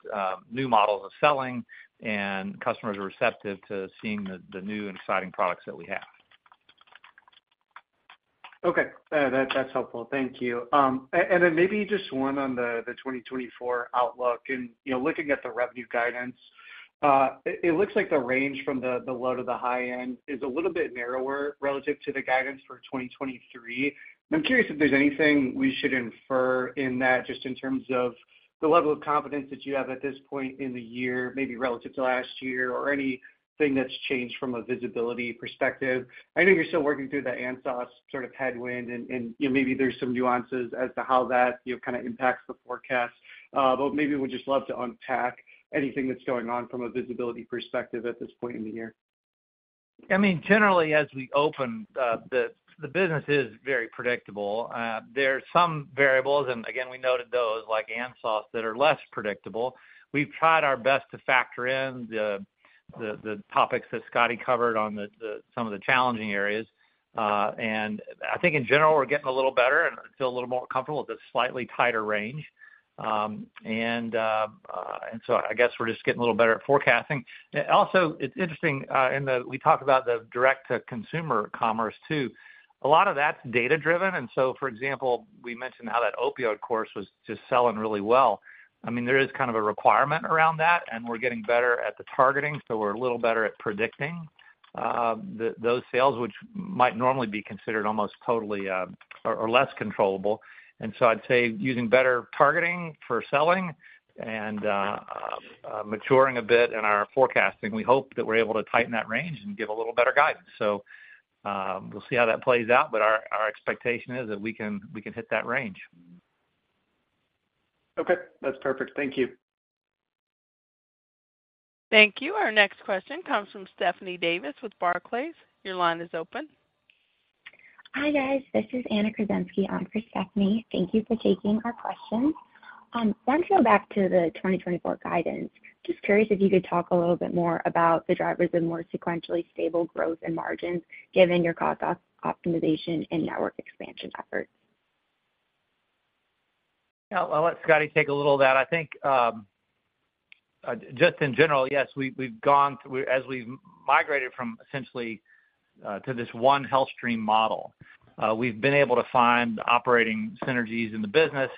new models of selling, and customers are receptive to seeing the new and exciting products that we have. Okay. That's helpful. Thank you. Then maybe just one on the 2024 outlook. Looking at the revenue guidance, it looks like the range from the low to the high end is a little bit narrower relative to the guidance for 2023. I'm curious if there's anything we should infer in that just in terms of the level of confidence that you have at this point in the year, maybe relative to last year, or anything that's changed from a visibility perspective. I know you're still working through the ANSOS sort of headwind, and maybe there's some nuances as to how that kind of impacts the forecast. But maybe we'd just love to unpack anything that's going on from a visibility perspective at this point in the year. I mean, generally, as we open, the business is very predictable. There are some variables, and again, we noted those like ANSOS that are less predictable. We've tried our best to factor in the topics that Scotty covered on some of the challenging areas. And I think, in general, we're getting a little better and feel a little more comfortable with a slightly tighter range. And so I guess we're just getting a little better at forecasting. Also, it's interesting, and we talked about the direct-to-consumer commerce, too. A lot of that's data-driven. And so, for example, we mentioned how that opioid course was just selling really well. I mean, there is kind of a requirement around that, and we're getting better at the targeting. So we're a little better at predicting those sales, which might normally be considered almost totally or less controllable. And so I'd say using better targeting for selling and maturing a bit in our forecasting, we hope that we're able to tighten that range and give a little better guidance. So we'll see how that plays out, but our expectation is that we can hit that range. Okay. That's perfect. Thank you. Thank you. Our next question comes from Stephanie Davis with Barclays. Your line is open. Hi, guys. This is Anna Kruszenski. I'm for Stephanie. Thank you for taking our questions. Want to go back to the 2024 guidance? Just curious if you could talk a little bit more about the drivers of more sequentially stable growth and margins given your cost optimization and network expansion efforts? Yeah. I'll let Scotty take a little of that. I think, just in general, yes, we've gone through as we've migrated from essentially to this one HealthStream model, we've been able to find operating synergies in the business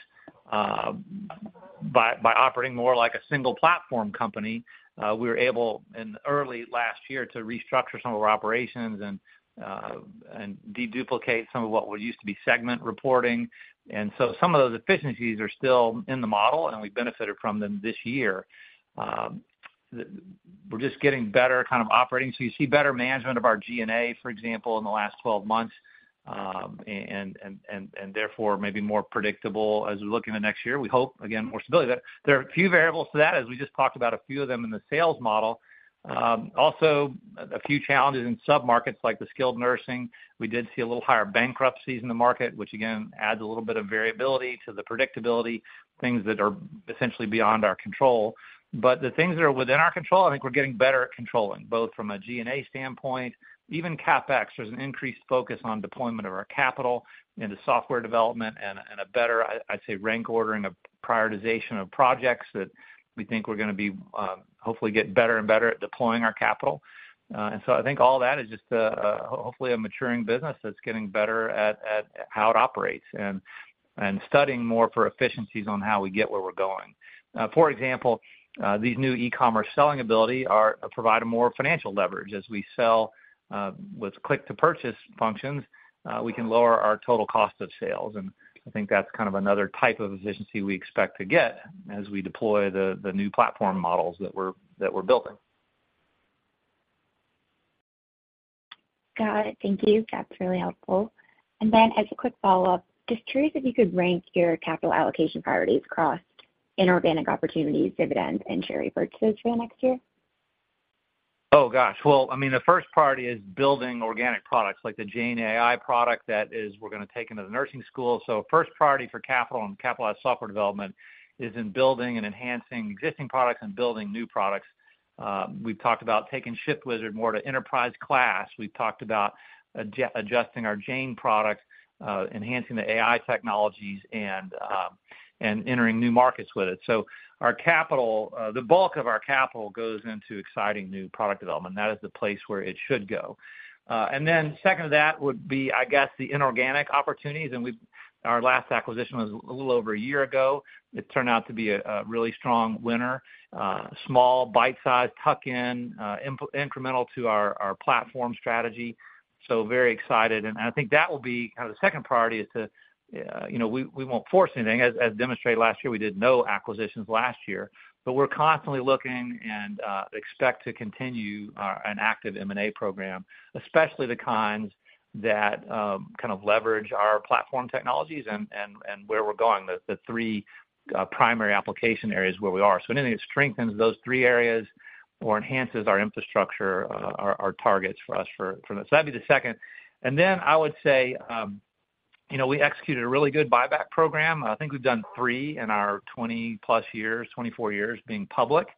by operating more like a single platform company. We were able, in early last year, to restructure some of our operations and deduplicate some of what used to be segment reporting. And so some of those efficiencies are still in the model, and we've benefited from them this year. We're just getting better kind of operating. So you see better management of our G&A, for example, in the last 12 months, and therefore maybe more predictable as we're looking at next year, we hope, again, more stability. There are a few variables to that, as we just talked about a few of them in the sales model. Also, a few challenges in sub-markets like the skilled nursing. We did see a little higher bankruptcies in the market, which again adds a little bit of variability to the predictability, things that are essentially beyond our control. But the things that are within our control, I think we're getting better at controlling, both from a G&A standpoint, even CapEx. There's an increased focus on deployment of our capital into software development and a better, I'd say, rank ordering, a prioritization of projects that we think we're going to hopefully get better and better at deploying our capital. And so I think all that is just hopefully a maturing business that's getting better at how it operates and studying more for efficiencies on how we get where we're going. For example, these new e-commerce selling abilities provide more financial leverage. As we sell with click-to-purchase functions, we can lower our total cost of sales. I think that's kind of another type of efficiency we expect to get as we deploy the new platform models that we're building. Got it. Thank you. That's really helpful. And then as a quick follow-up, just curious if you could rank your capital allocation priorities across inorganic opportunities, dividends, and share repurchases for the next year? Oh, gosh. Well, I mean, the first priority is building organic products like the Jane AI product that we're going to take into the nursing school. So first priority for capital and capitalized software development is in building and enhancing existing products and building new products. We've talked about taking ShiftWizard more to enterprise class. We've talked about adjusting our Jane product, enhancing the AI technologies, and entering new markets with it. So the bulk of our capital goes into exciting new product development. That is the place where it should go. And then second to that would be, I guess, the inorganic opportunities. And our last acquisition was a little over a year ago. It turned out to be a really strong winner, small, bite-sized, tuck-in, incremental to our platform strategy. So very excited. I think that will be kind of the second priority is to we won't force anything. As demonstrated last year, we did no acquisitions last year. But we're constantly looking and expect to continue an active M&A program, especially the kinds that kind of leverage our platform technologies and where we're going, the three primary application areas where we are. So anything that strengthens those three areas or enhances our infrastructure are targets for us for this. So that'd be the second. And then I would say we executed a really good buyback program. I think we've done three in our 20+ years, 24 years being public.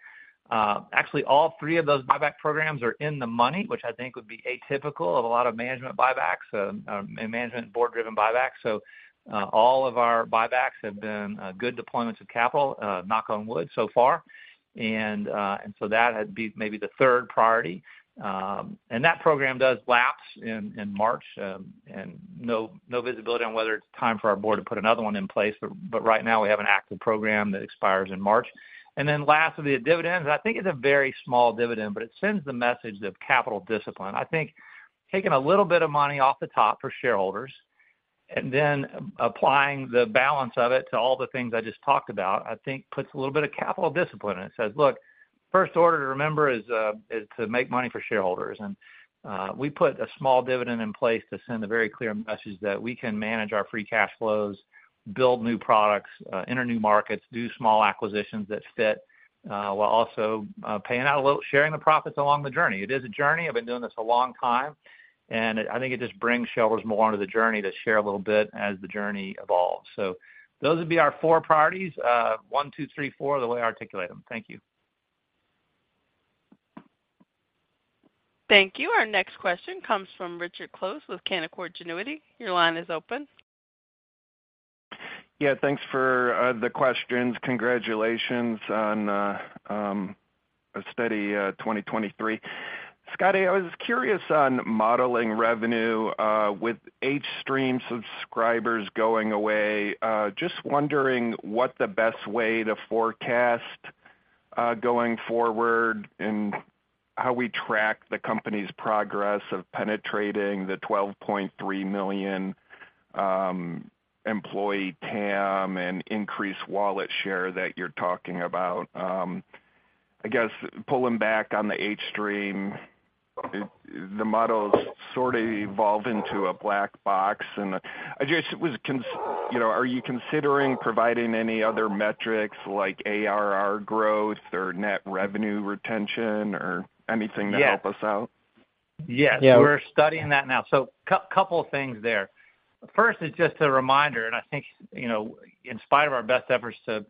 Actually, all three of those buyback programs are in the money, which I think would be atypical of a lot of management buybacks, management board-driven buybacks. So all of our buybacks have been good deployments of capital, knock on wood, so far. And so that would be maybe the third priority. And that program does lapse in March, and no visibility on whether it's time for our board to put another one in place. But right now, we have an active program that expires in March. And then last would be the dividends. I think it's a very small dividend, but it sends the message of capital discipline. I think taking a little bit of money off the top for shareholders and then applying the balance of it to all the things I just talked about, I think puts a little bit of capital discipline. It says, "Look, first order to remember is to make money for shareholders." We put a small dividend in place to send a very clear message that we can manage our free cash flows, build new products, enter new markets, do small acquisitions that fit while also paying out a little, sharing the profits along the journey. It is a journey. I've been doing this a long time. I think it just brings shareholders more onto the journey to share a little bit as the journey evolves. Those would be our four priorities, one, two, three, four, the way I articulate them. Thank you. Thank you. Our next question comes from Richard Close with Canaccord Genuity. Your line is open. Yeah. Thanks for the questions. Congratulations on a steady 2023. Scotty, I was curious on modeling revenue with hStream subscribers going away. Just wondering what the best way to forecast going forward and how we track the company's progress of penetrating the 12.3 million employee TAM and increased wallet share that you're talking about. I guess pulling back on the hStream, the models sort of evolve into a black box. And I just was are you considering providing any other metrics like ARR growth or net revenue retention or anything to help us out? Yes. We're studying that now. So a couple of things there. First, it's just a reminder. And I think in spite of our best efforts to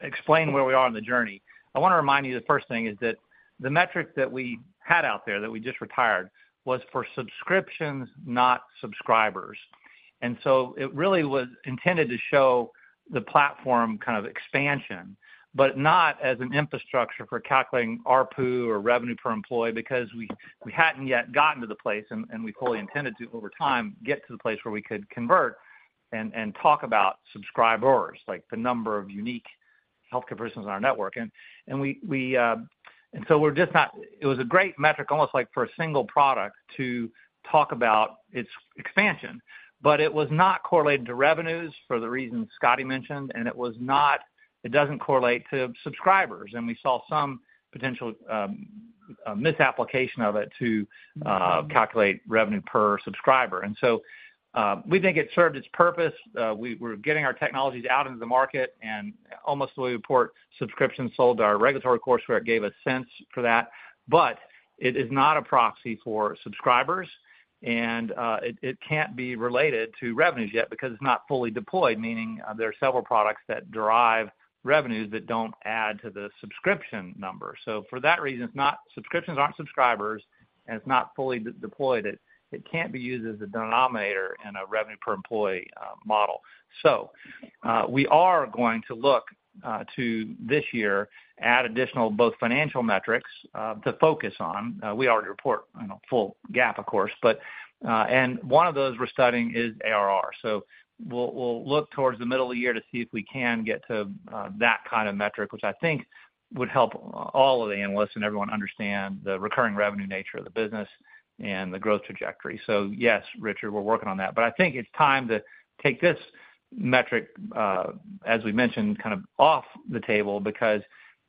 explain where we are on the journey, I want to remind you the first thing is that the metric that we had out there that we just retired was for subscriptions, not subscribers. And so it really was intended to show the platform kind of expansion, but not as an infrastructure for calculating RPU or revenue per employee because we hadn't yet gotten to the place, and we fully intended to, over time, get to the place where we could convert and talk about subscribers, like the number of unique healthcare persons in our network. And so we're just not. It was a great metric, almost like for a single product, to talk about its expansion. But it was not correlated to revenues for the reasons Scotty mentioned. It doesn't correlate to subscribers. We saw some potential misapplication of it to calculate revenue per subscriber. So we think it served its purpose. We're getting our technologies out into the market. Almost the way we report subscriptions sold our regulatory course where it gave a sense for that. But it is not a proxy for subscribers. It can't be related to revenues yet because it's not fully deployed, meaning there are several products that derive revenues that don't add to the subscription number. For that reason, subscriptions aren't subscribers, and it's not fully deployed. It can't be used as a denominator in a revenue per employee model. We are going to look to, this year, add additional both financial metrics to focus on. We already report full GAAP, of course. One of those we're studying is ARR. So we'll look towards the middle of the year to see if we can get to that kind of metric, which I think would help all of the analysts and everyone understand the recurring revenue nature of the business and the growth trajectory. So yes, Richard, we're working on that. But I think it's time to take this metric, as we mentioned, kind of off the table because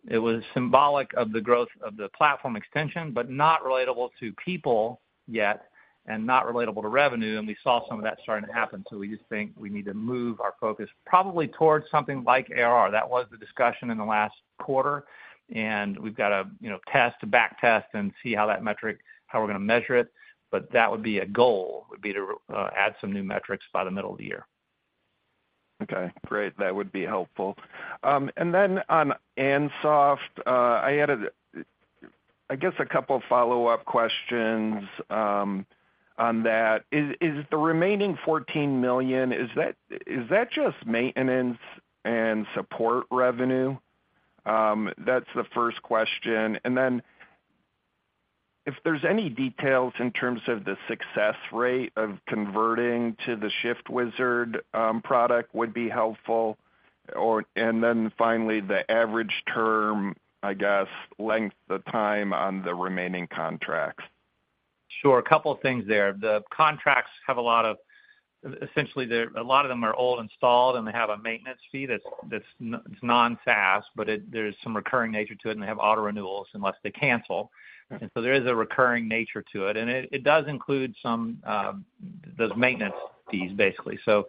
it was symbolic of the growth of the platform extension, but not relatable to people yet and not relatable to revenue. We saw some of that starting to happen. So we just think we need to move our focus probably towards something like ARR. That was the discussion in the last quarter. We've got to test, backtest, and see how we're going to measure it. But that would be a goal, would be to add some new metrics by the middle of the year. Okay. Great. That would be helpful. And then on ANSOS, I had, I guess, a couple of follow-up questions on that. Is the remaining $14 million, is that just maintenance and support revenue? That's the first question. And then if there's any details in terms of the success rate of converting to the ShiftWizard product, would be helpful. And then finally, the average term, I guess, length of time on the remaining contracts. Sure. A couple of things there. The contracts have a lot of essentially, a lot of them are old installed, and they have a maintenance fee that's non-SaaS. But there's some recurring nature to it, and they have auto-renewals unless they cancel. And so there is a recurring nature to it. And it does include some those maintenance fees, basically. So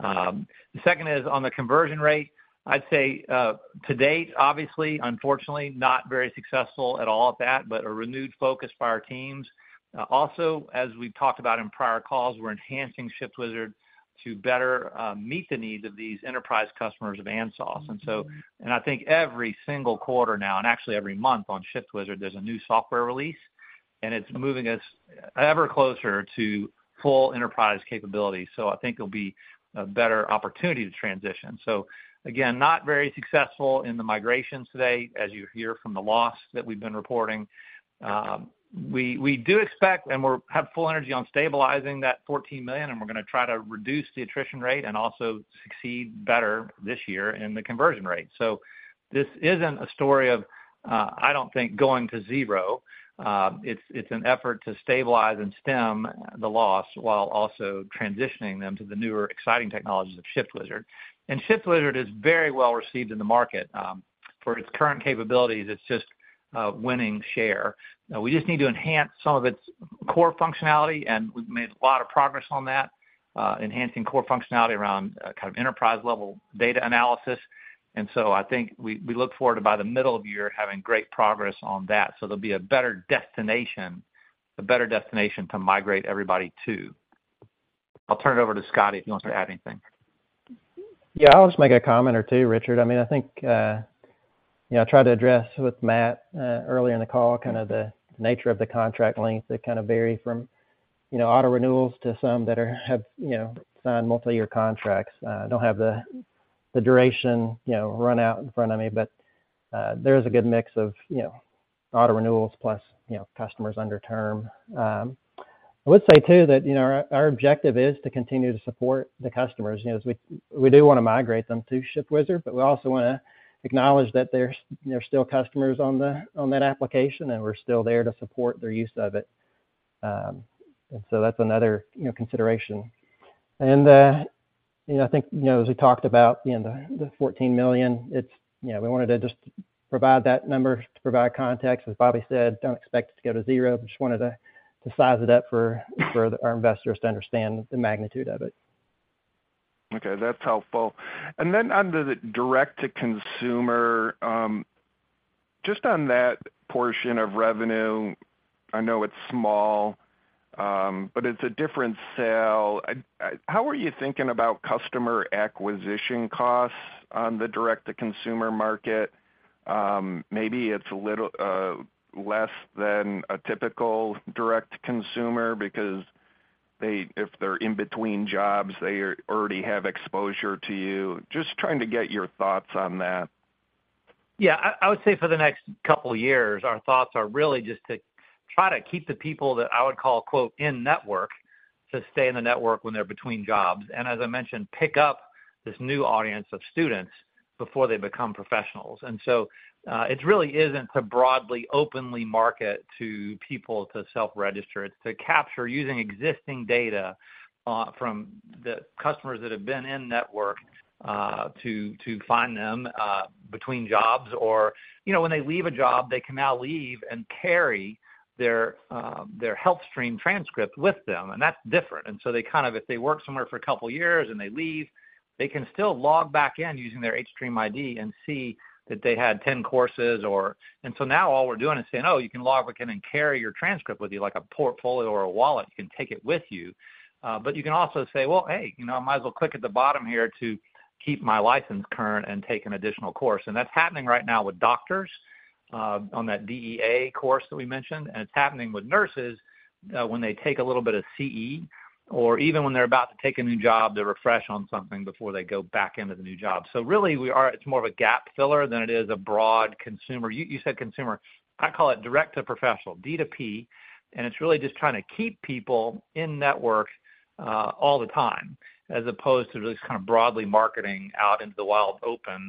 the second is on the conversion rate. I'd say to date, obviously, unfortunately, not very successful at all at that, but a renewed focus by our teams. Also, as we've talked about in prior calls, we're enhancing ShiftWizard to better meet the needs of these enterprise customers of ANSOS. And I think every single quarter now, and actually every month on ShiftWizard, there's a new software release. And it's moving us ever closer to full enterprise capability. So I think it'll be a better opportunity to transition. So again, not very successful in the migrations today, as you hear from the loss that we've been reporting. We do expect, and we have full energy on stabilizing that $14 million, and we're going to try to reduce the attrition rate and also succeed better this year in the conversion rate. So this isn't a story of, I don't think, going to zero. It's an effort to stabilize and stem the loss while also transitioning them to the newer, exciting technologies of ShiftWizard. And ShiftWizard is very well received in the market. For its current capabilities, it's just winning share. We just need to enhance some of its core functionality. And we've made a lot of progress on that, enhancing core functionality around kind of enterprise-level data analysis. And so I think we look forward to, by the middle of the year, having great progress on that. There'll be a better destination, a better destination to migrate everybody to. I'll turn it over to Scotty if he wants to add anything. Yeah. I'll just make a comment or two, Richard. I mean, I think I tried to address with Matt earlier in the call kind of the nature of the contract length. They kind of vary from auto-renewals to some that have signed multi-year contracts, don't have the duration run out in front of me. But there is a good mix of auto-renewals plus customers under term. I would say, too, that our objective is to continue to support the customers. We do want to migrate them to ShiftWizard, but we also want to acknowledge that they're still customers on that application, and we're still there to support their use of it. And so that's another consideration. And I think, as we talked about the $14 million, we wanted to just provide that number to provide context. As Bobby said, don't expect it to go to zero. Just wanted to size it up for our investors to understand the magnitude of it. Okay. That's helpful. And then under the direct-to-consumer, just on that portion of revenue, I know it's small, but it's a different sale. How are you thinking about customer acquisition costs on the direct-to-consumer market? Maybe it's a little less than a typical direct consumer because, if they're in between jobs, they already have exposure to you. Just trying to get your thoughts on that. Yeah. I would say, for the next couple of years, our thoughts are really just to try to keep the people that I would call "in network" to stay in the network when they're between jobs. And as I mentioned, pick up this new audience of students before they become professionals. And so it really isn't to broadly, openly market to people to self-register. It's to capture, using existing data from the customers that have been in network, to find them between jobs. Or when they leave a job, they can now leave and carry their HealthStream transcript with them. And that's different. And so they kind of, if they work somewhere for a couple of years and they leave, they can still log back in using their hStream ID and see that they had 10 courses. And so now all we're doing is saying, "Oh, you can log back in and carry your transcript with you, like a portfolio or a wallet. You can take it with you." But you can also say, "Well, hey, I might as well click at the bottom here to keep my license current and take an additional course." And that's happening right now with doctors on that DEA course that we mentioned. And it's happening with nurses when they take a little bit of CE or even when they're about to take a new job to refresh on something before they go back into the new job. So really, it's more of a gap filler than it is a broad consumer you said consumer. I call it direct-to-professional, D to P. It's really just trying to keep people in network all the time as opposed to just kind of broadly marketing out into the wild open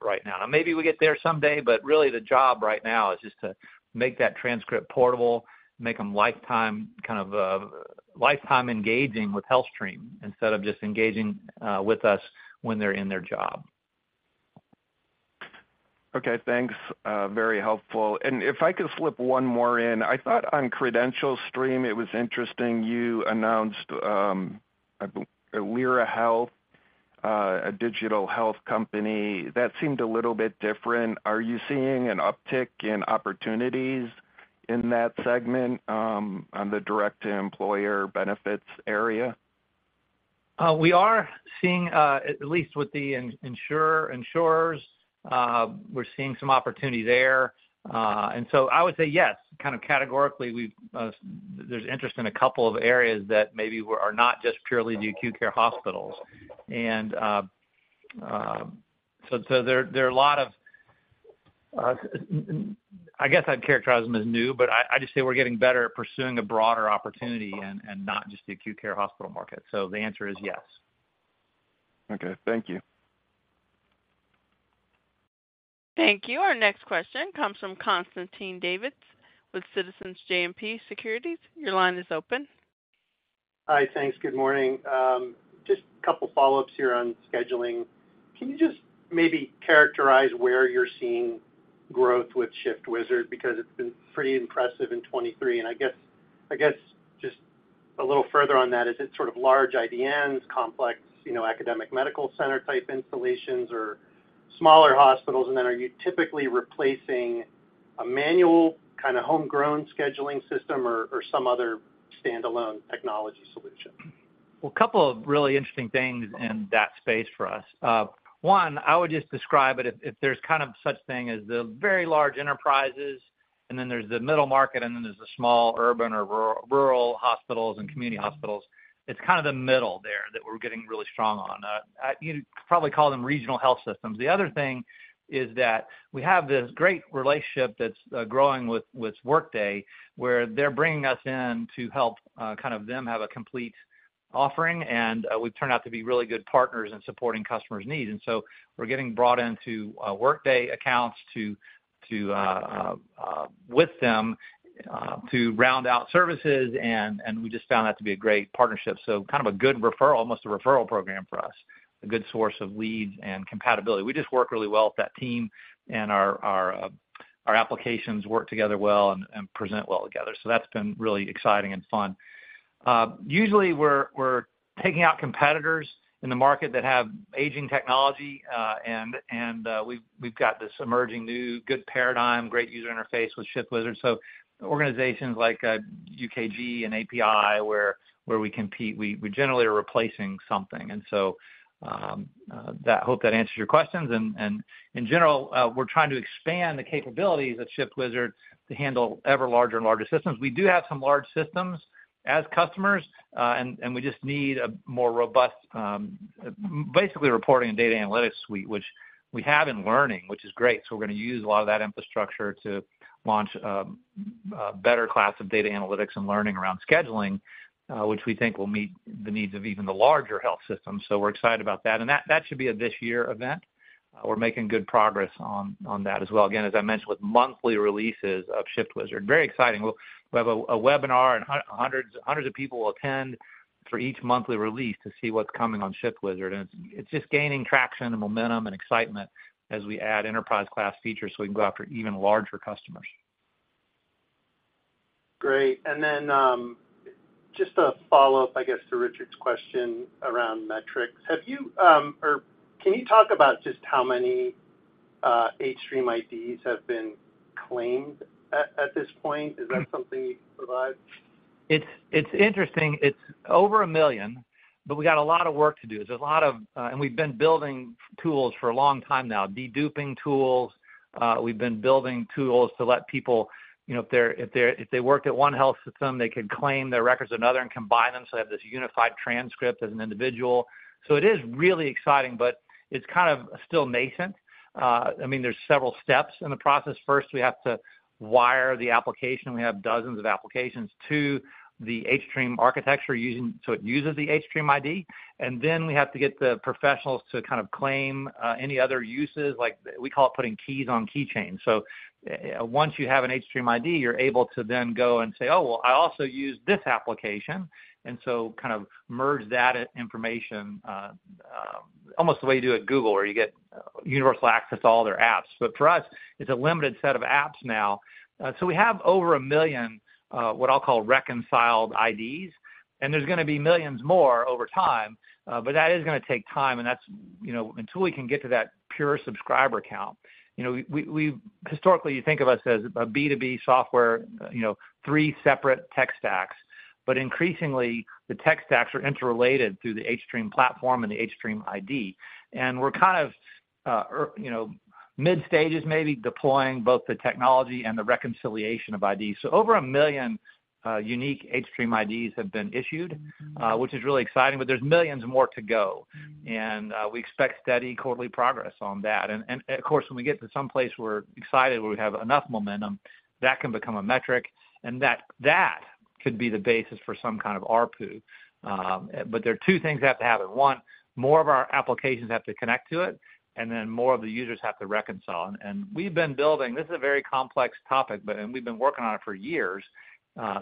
right now. Now, maybe we get there someday, but really, the job right now is just to make that transcript portable, make them lifetime kind of engaging with HealthStream instead of just engaging with us when they're in their job. Okay. Thanks. Very helpful. And if I could slip one more in, I thought on CredentialStream, it was interesting. You announced Lyra Health, a digital health company. That seemed a little bit different. Are you seeing an uptick in opportunities in that segment on the direct-to-employer benefits area? We are seeing, at least with the insurers, we're seeing some opportunity there. And so I would say, yes, kind of categorically, there's interest in a couple of areas that maybe are not just purely the acute care hospitals. And so there are a lot of, I guess I'd characterize them as new, but I just say we're getting better at pursuing a broader opportunity and not just the acute care hospital market. So the answer is yes. Okay. Thank you. Thank you. Our next question comes from Constantine Davides with Citizens JMP Securities. Your line is open. Hi. Thanks. Good morning. Just a couple of follow-ups here on scheduling. Can you just maybe characterize where you're seeing growth with ShiftWizard because it's been pretty impressive in 2023? And I guess just a little further on that, is it sort of large IDNs, complex academic medical center-type installations, or smaller hospitals? And then are you typically replacing a manual kind of homegrown scheduling system or some other standalone technology solution? Well, a couple of really interesting things in that space for us. One, I would just describe it if there's kind of such thing as the very large enterprises, and then there's the middle market, and then there's the small urban or rural hospitals and community hospitals. It's kind of the middle there that we're getting really strong on. You could probably call them regional health systems. The other thing is that we have this great relationship that's growing with Workday where they're bringing us in to help kind of them have a complete offering. And we've turned out to be really good partners in supporting customers' needs. And so we're getting brought into Workday accounts with them to round out services. We just found that to be a great partnership, so kind of a good referral, almost a referral program for us, a good source of leads and compatibility. We just work really well with that team, and our applications work together well and present well together. So that's been really exciting and fun. Usually, we're taking out competitors in the market that have aging technology. And we've got this emerging new good paradigm, great user interface with ShiftWizard. So organizations like UKG and API, where we compete, we generally are replacing something. And so I hope that answers your questions. And in general, we're trying to expand the capabilities of ShiftWizard to handle ever larger and larger systems. We do have some large systems as customers, and we just need a more robust, basically, reporting and data analytics suite, which we have in learning, which is great. So we're going to use a lot of that infrastructure to launch a better class of data analytics and learning around scheduling, which we think will meet the needs of even the larger health systems. So we're excited about that. That should be a this-year event. We're making good progress on that as well. Again, as I mentioned, with monthly releases of ShiftWizard, very exciting. We'll have a webinar, and hundreds of people will attend for each monthly release to see what's coming on ShiftWizard. And it's just gaining traction and momentum and excitement as we add enterprise-class features so we can go after even larger customers. Great. Then just a follow-up, I guess, to Richard's question around metrics, have you or can you talk about just how many hStream IDs have been claimed at this point? Is that something you can provide? It's interesting. It's over 1 million, but we got a lot of work to do. There's a lot of and we've been building tools for a long time now, deduping tools. We've been building tools to let people, if they worked at one health system, they could claim their records at another and combine them. So they have this unified transcript as an individual. So it is really exciting, but it's kind of still nascent. I mean, there's several steps in the process. First, we have to wire the application. We have dozens of applications to the hStream architecture so it uses the hStream ID. And then we have to get the professionals to kind of claim any other uses. We call it putting keys on keychains. So once you have an hStream ID, you're able to then go and say, "Oh, well, I also use this application," and so kind of merge that information almost the way you do at Google where you get universal access to all their apps. But for us, it's a limited set of apps now. So we have over 1 million what I'll call reconciled IDs. And there's going to be millions more over time, but that is going to take time. And until we can get to that pure subscriber count, historically, you think of us as a B2B software, three separate tech stacks. But increasingly, the tech stacks are interrelated through the hStream platform and the hStream ID. And we're kind of mid-stages, maybe, deploying both the technology and the reconciliation of IDs. So over 1 million unique hStream IDs have been issued, which is really exciting, but there's millions more to go. We expect steady quarterly progress on that. Of course, when we get to some place where we're excited, where we have enough momentum, that can become a metric. That could be the basis for some kind of RPU. There are two things that have to happen. One, more of our applications have to connect to it, and then more of the users have to reconcile. We've been building this is a very complex topic, and we've been working on it for years.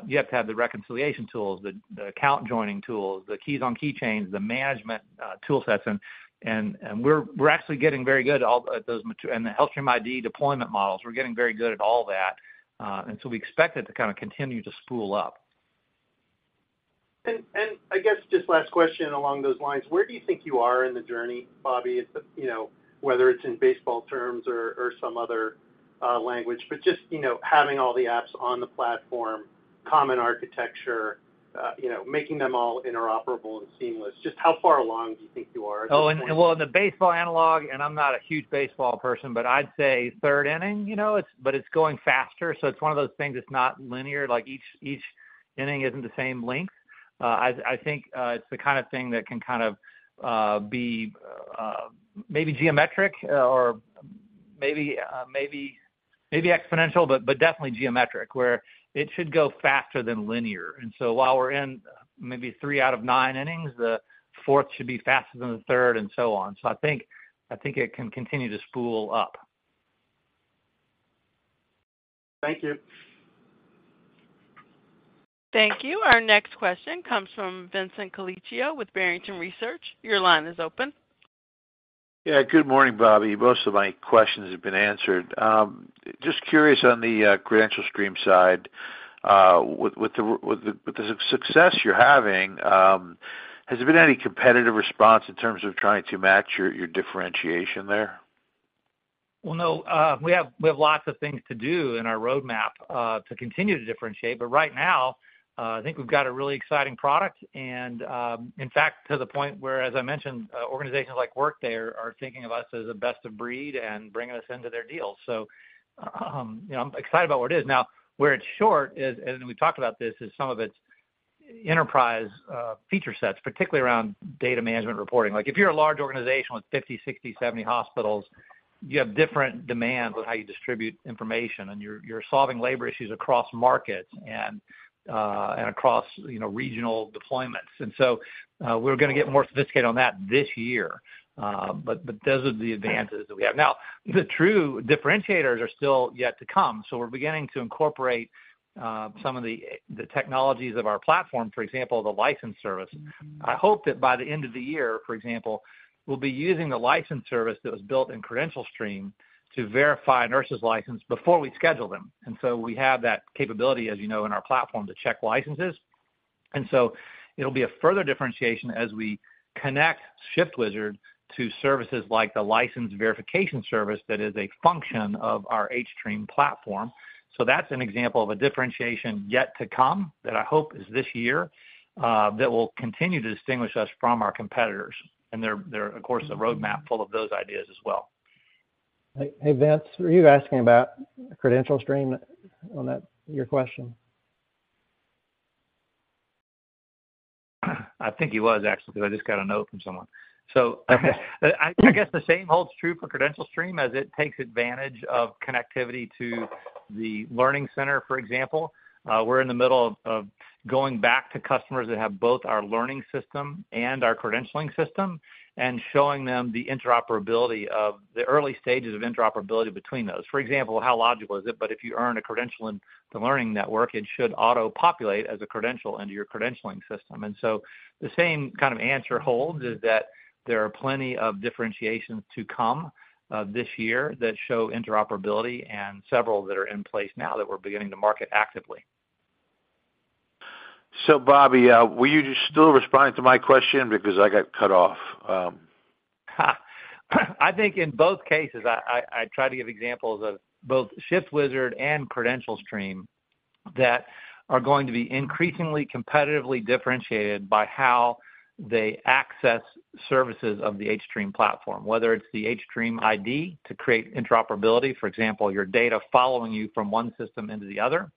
You have to have the reconciliation tools, the account joining tools, the keys on keychains, the management toolsets. We're actually getting very good at those and the HealthStream ID deployment models. We're getting very good at all that. And so we expect it to kind of continue to spool up. I guess just last question along those lines, where do you think you are in the journey, Bobby, whether it's in baseball terms or some other language? But just having all the apps on the platform, common architecture, making them all interoperable and seamless, just how far along do you think you are? Oh, well, in the baseball analogy, and I'm not a huge baseball person, but I'd say third inning, but it's going faster. So it's one of those things that's not linear. Each inning isn't the same length. I think it's the kind of thing that can kind of be maybe geometric or maybe exponential, but definitely geometric, where it should go faster than linear. And so while we're in maybe three out of nine innings, the fourth should be faster than the third and so on. So I think it can continue to spool up. Thank you. Thank you. Our next question comes from Vincent Colicchio with Barrington Research. Your line is open. Yeah. Good morning, Bobby. Most of my questions have been answered. Just curious on the CredentialStream side, with the success you're having, has there been any competitive response in terms of trying to match your differentiation there? Well, no. We have lots of things to do in our roadmap to continue to differentiate. Right now, I think we've got a really exciting product. In fact, to the point where, as I mentioned, organizations like Workday are thinking of us as a best of breed and bringing us into their deals. I'm excited about where it is. Now, where it's short, and we've talked about this, is some of its enterprise feature sets, particularly around data management reporting. If you're a large organization with 50, 60, 70 hospitals, you have different demands on how you distribute information. You're solving labor issues across markets and across regional deployments. So we're going to get more sophisticated on that this year. Those are the advances that we have. Now, the true differentiators are still yet to come. So we're beginning to incorporate some of the technologies of our platform, for example, the license service. I hope that by the end of the year, for example, we'll be using the license service that was built in CredentialStream to verify nurses' licenses before we schedule them. And so we have that capability, as you know, in our platform to check licenses. And so it'll be a further differentiation as we connect ShiftWizard to services like the license verification service that is a function of our hStream platform. So that's an example of a differentiation yet to come that I hope is this year that will continue to distinguish us from our competitors. And there's, of course, a roadmap full of those ideas as well. Hey, Vince, were you asking about CredentialStream on your question? I think he was, actually, because I just got a note from someone. So I guess the same holds true for CredentialStream as it takes advantage of connectivity to the learning center, for example. We're in the middle of going back to customers that have both our learning system and our credentialing system and showing them the interoperability of the early stages of interoperability between those. For example, how logical is it? But if you earn a credential in the learning network, it should auto-populate as a credential into your credentialing system. And so the same kind of answer holds, is that there are plenty of differentiations to come this year that show interoperability and several that are in place now that we're beginning to market actively. So, Bobby, were you still responding to my question because I got cut off? I think in both cases, I try to give examples of both ShiftWizard and CredentialStream that are going to be increasingly competitively differentiated by how they access services of the hStream platform, whether it's the hStream ID to create interoperability, for example, your data following you from one system into the other.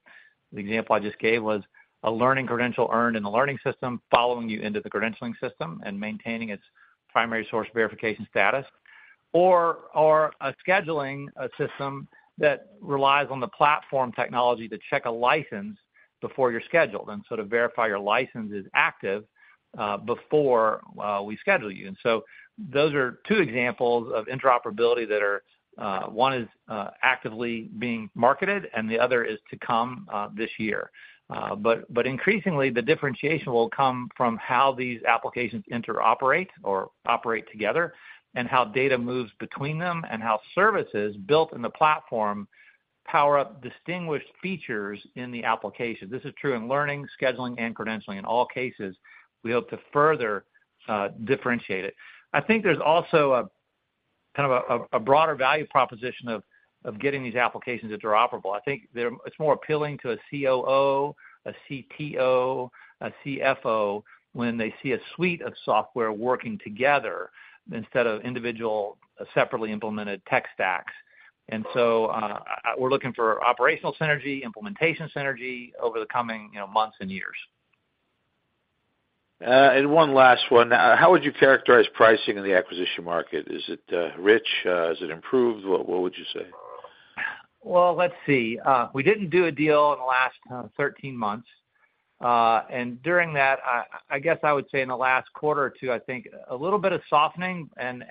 The example I just gave was a learning credential earned in the learning system following you into the credentialing system and maintaining its primary source verification status, or a scheduling system that relies on the platform technology to check a license before you're scheduled and sort of verify your license is active before we schedule you. And so those are two examples of interoperability, one is actively being marketed, and the other is to come this year. But increasingly, the differentiation will come from how these applications interoperate or operate together and how data moves between them and how services built in the platform power up distinguished features in the application. This is true in learning, scheduling, and credentialing. In all cases, we hope to further differentiate it. I think there's also kind of a broader value proposition of getting these applications interoperable. I think it's more appealing to a COO, a CTO, a CFO when they see a suite of software working together instead of individual, separately implemented tech stacks. And so we're looking for operational synergy, implementation synergy over the coming months and years. One last one. How would you characterize pricing in the acquisition market? Is it rich? Is it improved? What would you say? Well, let's see. We didn't do a deal in the last 13 months. And during that, I guess I would say in the last quarter or two, I think a little bit of softening and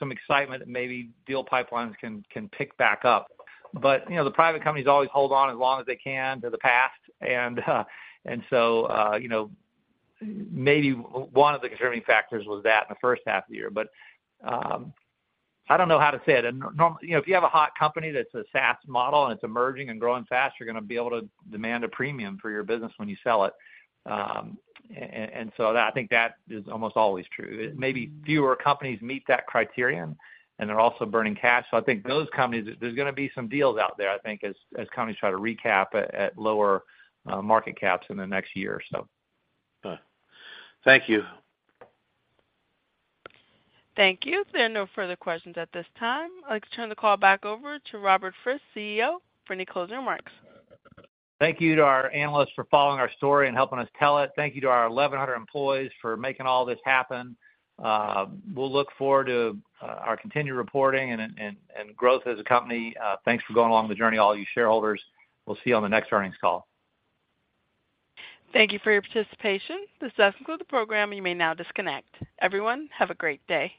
some excitement that maybe deal pipelines can pick back up. But the private companies always hold on as long as they can to the past. And so maybe one of the determining factors was that in the first half of the year. But I don't know how to say it. If you have a hot company that's a SaaS model and it's emerging and growing fast, you're going to be able to demand a premium for your business when you sell it. And so I think that is almost always true. Maybe fewer companies meet that criterion, and they're also burning cash. So I think those companies, there's going to be some deals out there, I think, as companies try to recap at lower market caps in the next year, so. Thank you. Thank you. There are no further questions at this time. I'll turn the call back over to Robert Frist, CEO, for any closing remarks. Thank you to our analysts for following our story and helping us tell it. Thank you to our 1,100 employees for making all this happen. We'll look forward to our continued reporting and growth as a company. Thanks for going along the journey, all you shareholders. We'll see you on the next earnings call. Thank you for your participation. This does conclude the program. You may now disconnect. Everyone, have a great day.